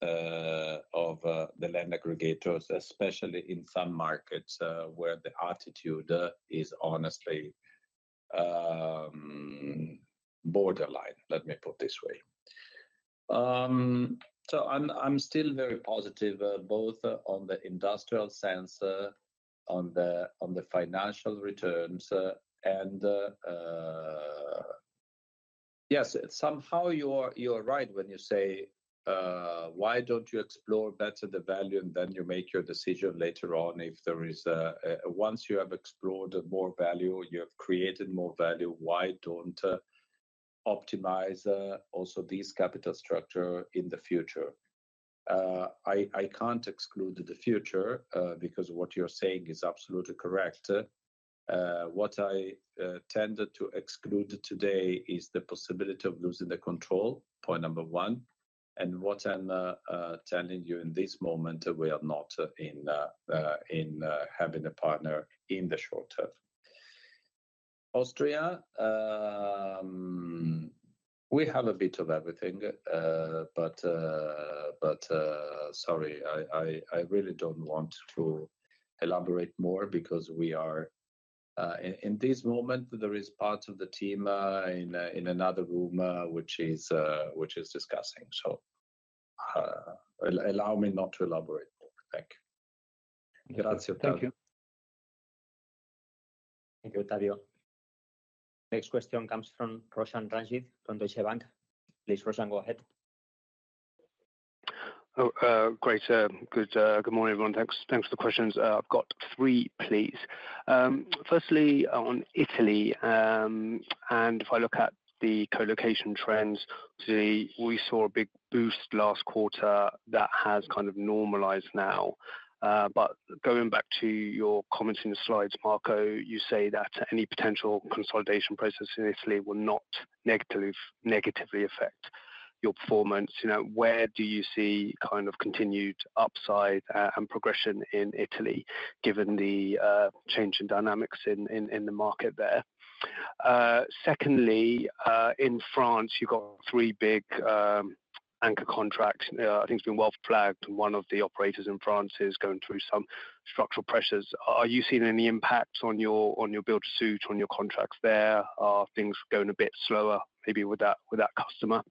the land aggregators, especially in some markets where the attitude is honestly borderline, let me put it this way. I'm still very positive both on the industrial sense, on the financial returns. Yes, somehow you're right when you say, why don't you explore better the value and then you make your decision later on if there is, once you have explored more value, you have created more value, why don't you optimize also this capital structure in the future? I can't exclude the future because what you're saying is absolutely correct. What I tended to exclude today is the possibility of losing the control, point number one. What I'm telling you in this moment, we are not in having a partner in the short term. Austria, we have a bit of everything, but sorry, I really don't want to elaborate more because we are in this moment, there is part of the team in another room which is discussing. Allow me not to elaborate more. Thank you. Thank you. Thank you, Ottavio. Next question comes from Roshan Ranjit from Deutsche Bank. Please, Roshan, go ahead. Great. Good morning, everyone. Thanks for the questions. I've got three, please. Firstly, on Italy, and if I look at the colocation trends, we saw a big boost last quarter that has kind of normalized now. But going back to your comments in the slides, Marco, you say that any potential consolidation process in Italy will not negatively affect your performance. Where do you see kind of continued upside and progression in Italy given the change in dynamics in the market there? Secondly, in France, you've got three big anchor contracts. I think it's been well flagged. One of the operators in France is going through some structural pressures. Are you seeing any impact on your build-to-suit, on your contracts there? Are things going a bit slower maybe with that customer?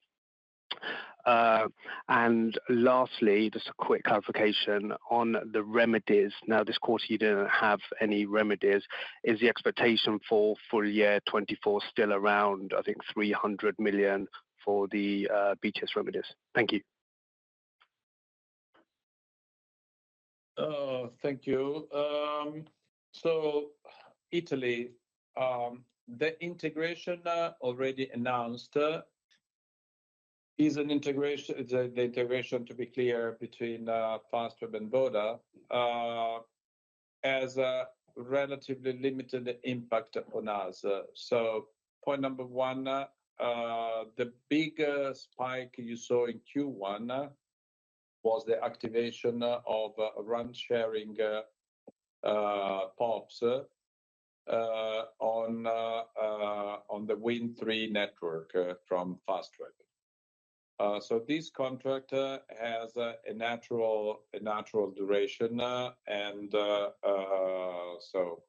And lastly, just a quick clarification on the remedies. Now, this quarter, you didn't have any remedies. Is the expectation for full year 2024 still around, I think, 300 million for the BTS remedies? Thank you. Thank you. So Italy, the integration already announced, to be clear, between Fastweb and Vodafone has a relatively limited impact on us. So point number one, the big spike you saw in Q1 was the activation of RAN sharing POPs on the Wind Tre network from Fastweb. So this contract has a natural duration. And so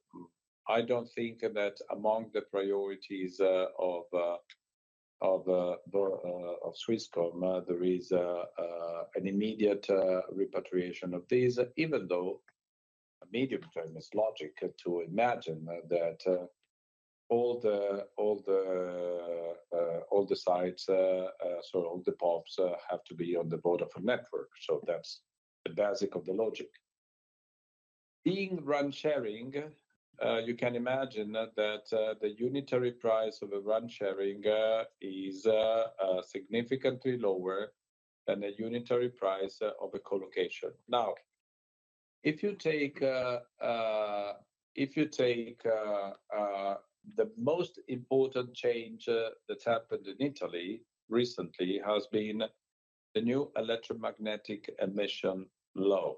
I don't think that among the priorities of Swisscom, there is an immediate repatriation of these, even though a medium-term is logical to imagine that all the sites, so all the POPs have to be on the Vodafone network. So that's the basic of the logic. Being RAN sharing, you can imagine that the unitary price of a RAN sharing is significantly lower than the unitary price of a colocation. Now, if you take the most important change that's happened in Italy recently has been the new electromagnetic emission law.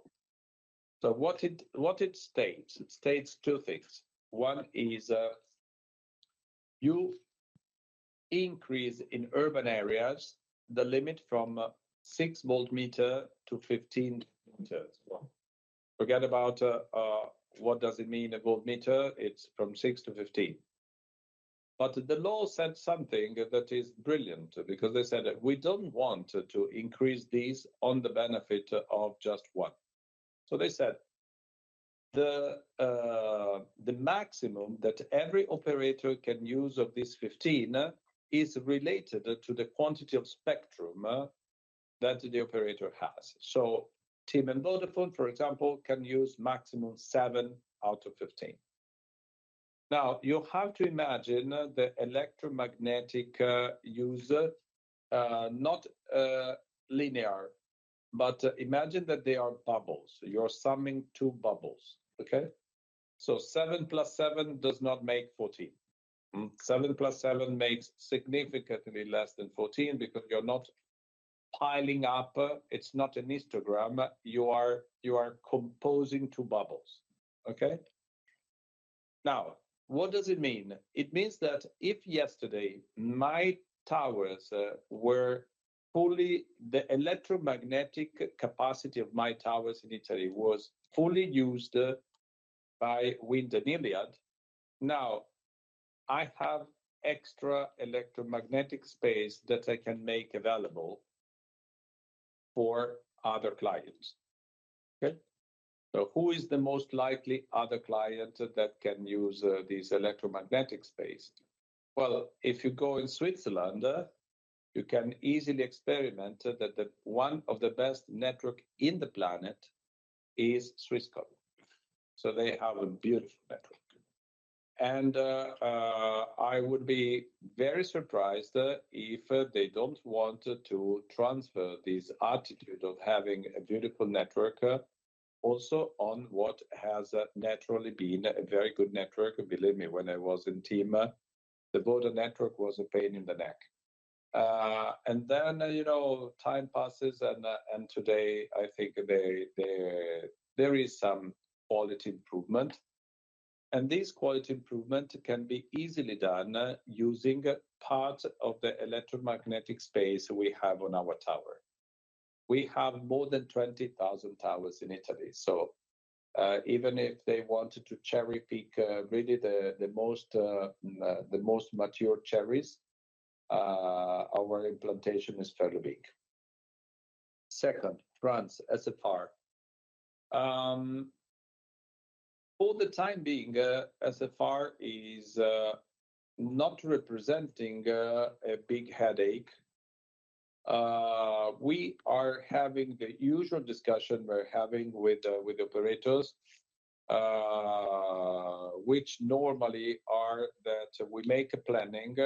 So what it states, it states two things. One is you increase in urban areas the limit from 6 V/m to 15 V/m. Forget about what does it mean a V/m. It's from 6 to 15. But the law said something that is brilliant because they said, "We don't want to increase these on the benefit of just one." So they said, "The maximum that every operator can use of this 15 is related to the quantity of spectrum that the operator has." So TIM and Vodafone, for example, can use maximum 7 out of 15. Now, you have to imagine the electromagnetic use not linear, but imagine that they are bubbles. You're summing two bubbles. Okay? So 7 + 7 does not make 14. 7 + 7 makes significantly less than 14 because you're not piling up. It's not a histogram. You are composing two bubbles. Okay? Now, what does it mean? It means that if yesterday my towers were fully the electromagnetic capacity of my towers in Italy was fully used by Wind and Iliad, now I have extra electromagnetic space that I can make available for other clients. Okay? So who is the most likely other client that can use this electromagnetic space? Well, if you go in Switzerland, you can easily experiment that one of the best networks in the planet is Swisscom. So they have a beautiful network. And I would be very surprised if they don't want to transfer this attitude of having a beautiful network also on what has naturally been a very good network. Believe me, when I was in TIM, the Vodafone network was a pain in the neck. And then time passes, and today, I think there is some quality improvement. This quality improvement can be easily done using part of the electromagnetic space we have on our tower. We have more than 20,000 towers in Italy. So even if they wanted to cherry-pick really the most mature cherries, our implantation is fairly big. Second, France, SFR. For the time being, SFR is not representing a big headache. We are having the usual discussion we're having with operators, which normally are that we make a planning,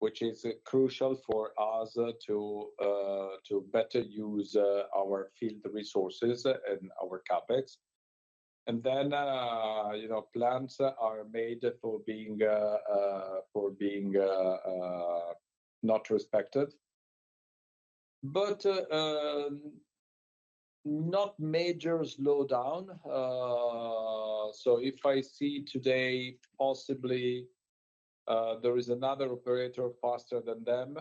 which is crucial for us to better use our field resources and our CapEx. And then plans are made for being not respected, but not major slowdown. So if I see today, possibly there is another operator faster than them,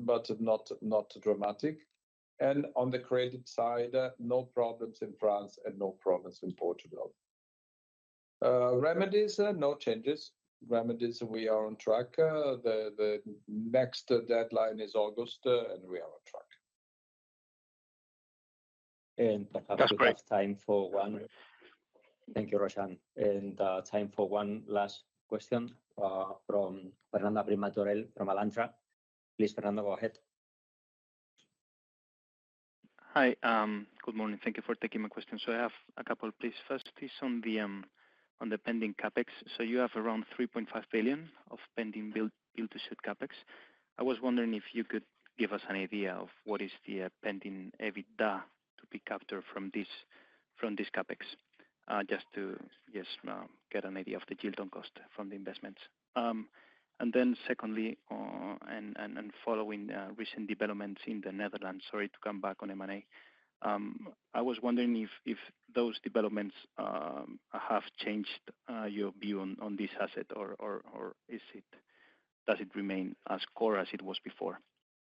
but not dramatic. And on the credit side, no problems in France and no problems in Portugal. Remedies, no changes. Remedies, we are on track. The next deadline is August, and we are on track. Time for one. Thank you, Roshan. Time for one last question from Fernando Abril-Martorell from Alantra. Please, Fernando, go ahead. Hi. Good morning. Thank you for taking my question. So I have a couple of points. First is on the pending CapEx. So you have around 3.5 billion of pending build-to-suit CapEx. I was wondering if you could give us an idea of what is the pending EBITDA to be captured from this CapEx, just to, yes, get an idea of the yield on cost from the investments. And then secondly, and following recent developments in the Netherlands, sorry to come back on M&A, I was wondering if those developments have changed your view on this asset, or does it remain as core as it was before?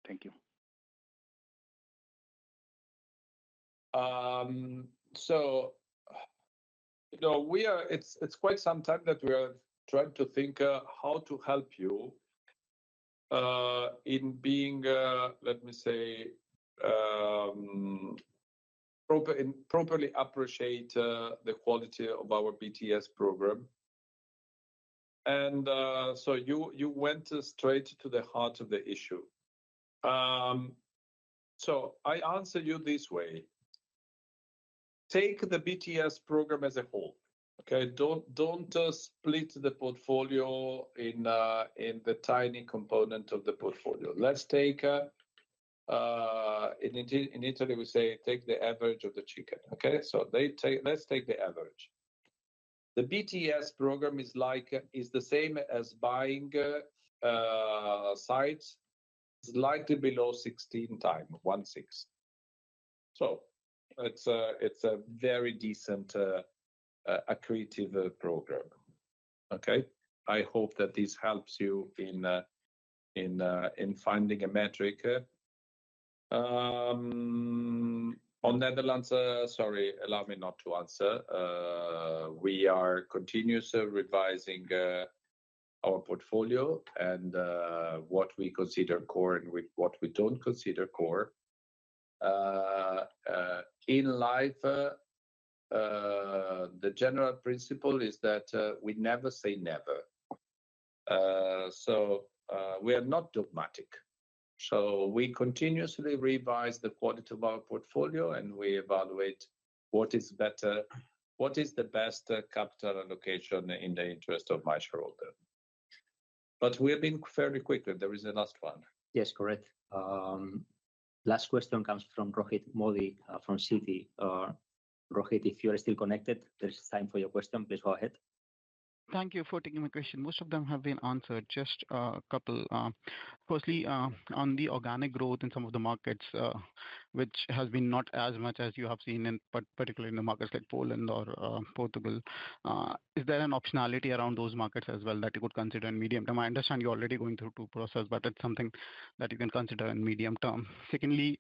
Thank you. So it's quite some time that we are trying to think how to help you in being, let me say, properly appreciate the quality of our BTS program. And so you went straight to the heart of the issue. So I answer you this way. Take the BTS program as a whole. Okay? Don't split the portfolio in the tiny component of the portfolio. Let's take in Italy, we say, "Take the average of the chicken." Okay? So let's take the average. The BTS program is the same as buying sites slightly below 16x 1.6. So it's a very decent accretive program. Okay? I hope that this helps you in finding a metric. On Netherlands, sorry, allow me not to answer. We are continuously revising our portfolio and what we consider core and what we don't consider core. In life, the general principle is that we never say never. We are not dogmatic. We continuously revise the quality of our portfolio, and we evaluate what is better, what is the best capital allocation in the interest of my shareholder. We have been fairly quick. There is a last one. Yes, correct. Last question comes from Rohit Modi from Citi. Rohit, if you are still connected, there is time for your question. Please go ahead. Thank you for taking my question. Most of them have been answered. Just a couple. Firstly, on the organic growth in some of the markets, which has been not as much as you have seen, particularly in the markets like Poland or Portugal, is there an optionality around those markets as well that you could consider in medium term? I understand you're already going through two processes, but that's something that you can consider in medium term. Secondly,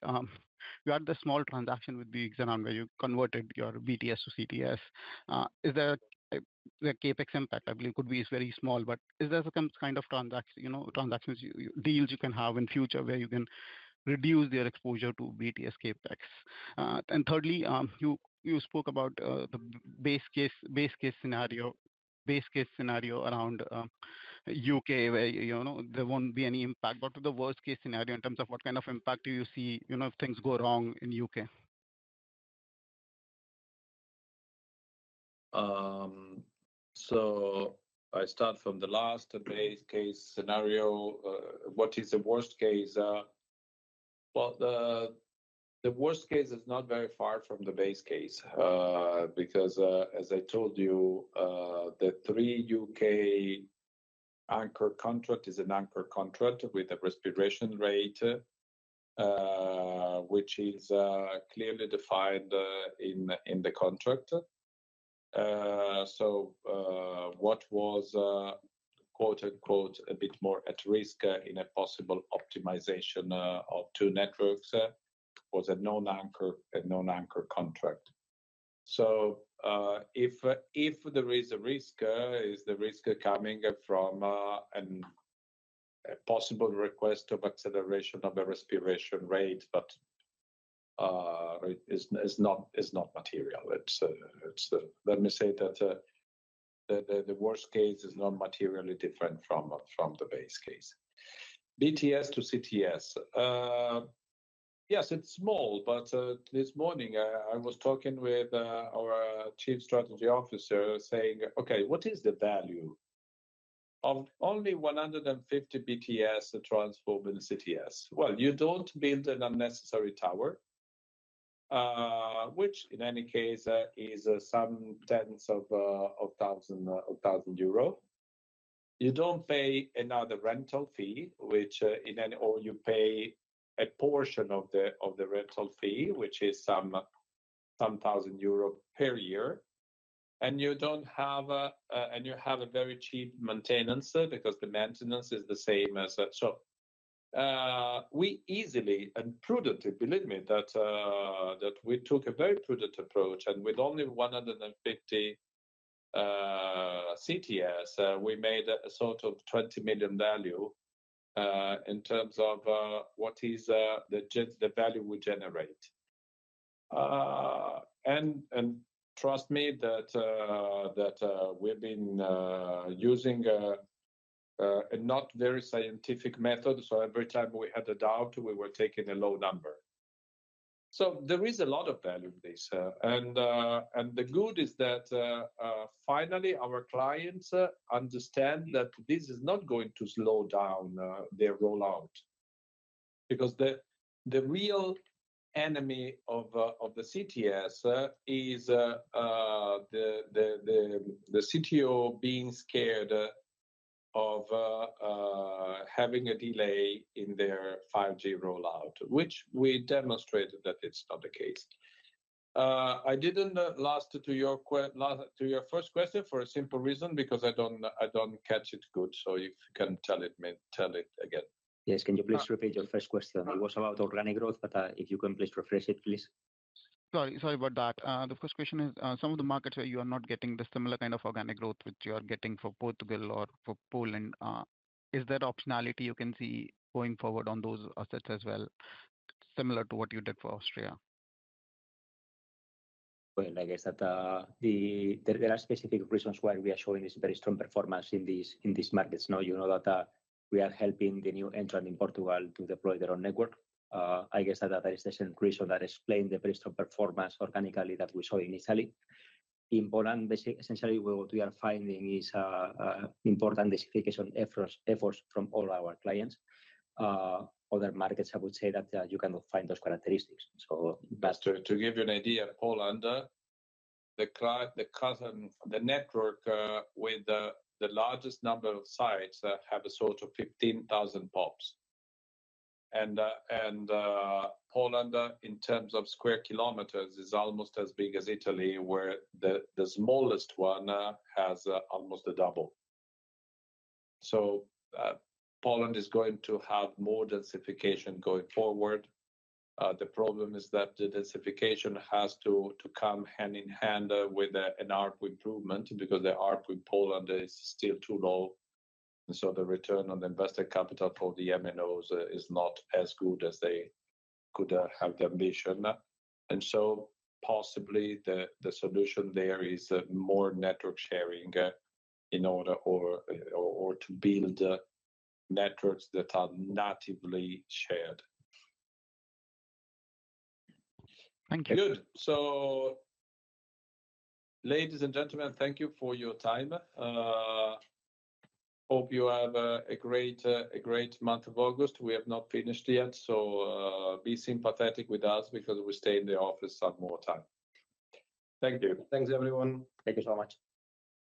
you had the small transaction with Bouygues and where you converted your BTS to CTS. Is there a CapEx impact? I believe it could be very small, but is there some kind of transactions, deals you can have in future where you can reduce your exposure to BTS CapEx? And thirdly, you spoke about the base case scenario, base case scenario around the U.K. where there won't be any impact. What would the worst case scenario in terms of what kind of impact do you see if things go wrong in the U.K.? So I start from the last base case scenario. What is the worst case? Well, the worst case is not very far from the base case because, as I told you, the Three U.K. anchor contract is an anchor contract with are patriation rate, which is clearly defined in the contract. So what was "a bit more at risk" in a possible optimization of two networks was a non-anchor contract. So if there is a risk, is the risk coming from a possible request of acceleration of a repatriation rate, but it's not material. Let me say that the worst case is not materially different from the base case. BTS to CTS. Yes, it's small, but this morning, I was talking with our Chief Strategy Officer saying, "Okay, what is the value of only 150 BTS transformed in CTS?" Well, you don't build an unnecessary tower, which in any case is some tens of thousands EUR. You don't pay another rental fee, which in any way you pay a portion of the rental fee, which is some thousands EUR per year. And you don't have a very cheap maintenance because the maintenance is the same, so we easily and prudently, believe me, that we took a very prudent approach. And with only 150 CTS, we made a sort of 20 million value in terms of what is the value we generate. And trust me that we've been using a not very scientific method. So every time we had a doubt, we were taking a low number. So there is a lot of value in this. And the good is that finally, our clients understand that this is not going to slow down their rollout because the real enemy of the CTS is the CTO being scared of having a delay in their 5G rollout, which we demonstrated that it's not the case. I didn't answer your first question for a simple reason because I don't catch it well. So if you can tell it again. Yes. Can you please repeat your first question? It was about organic growth, but if you can please refresh it, please. Sorry about that. The first question is, some of the markets where you are not getting the similar kind of organic growth which you are getting for Portugal or for Poland, is there optionality you can see going forward on those assets as well, similar to what you did for Austria? Well, I guess that there are specific reasons why we are showing this very strong performance in these markets. You know that we are helping the new entrant in Portugal to deploy their own network. I guess that is the reason that explained the very strong performance organically that we saw initially. In Poland, essentially, what we are finding is important densification efforts from all our clients. Other markets, I would say that you cannot find those characteristics. So that's. To give you an idea, Poland, the network with the largest number of sites have a sort of 15,000 pops. Poland, in terms of square kilometers, is almost as big as Italy, where the smallest one has almost a double. So Poland is going to have more densification going forward. The problem is that the densification has to come hand in hand with an ARPU improvement because the ARPU in Poland is still too low. And so the return on the invested capital for the M&Os is not as good as they could have the ambition. And so possibly the solution there is more network sharing in order or to build networks that are natively shared. Thank you. Good. So ladies and gentlemen, thank you for your time. Hope you have a great month of August. We have not finished yet, so be sympathetic with us because we stay in the office some more time. Thank you. Thanks, everyone. Thank you so much.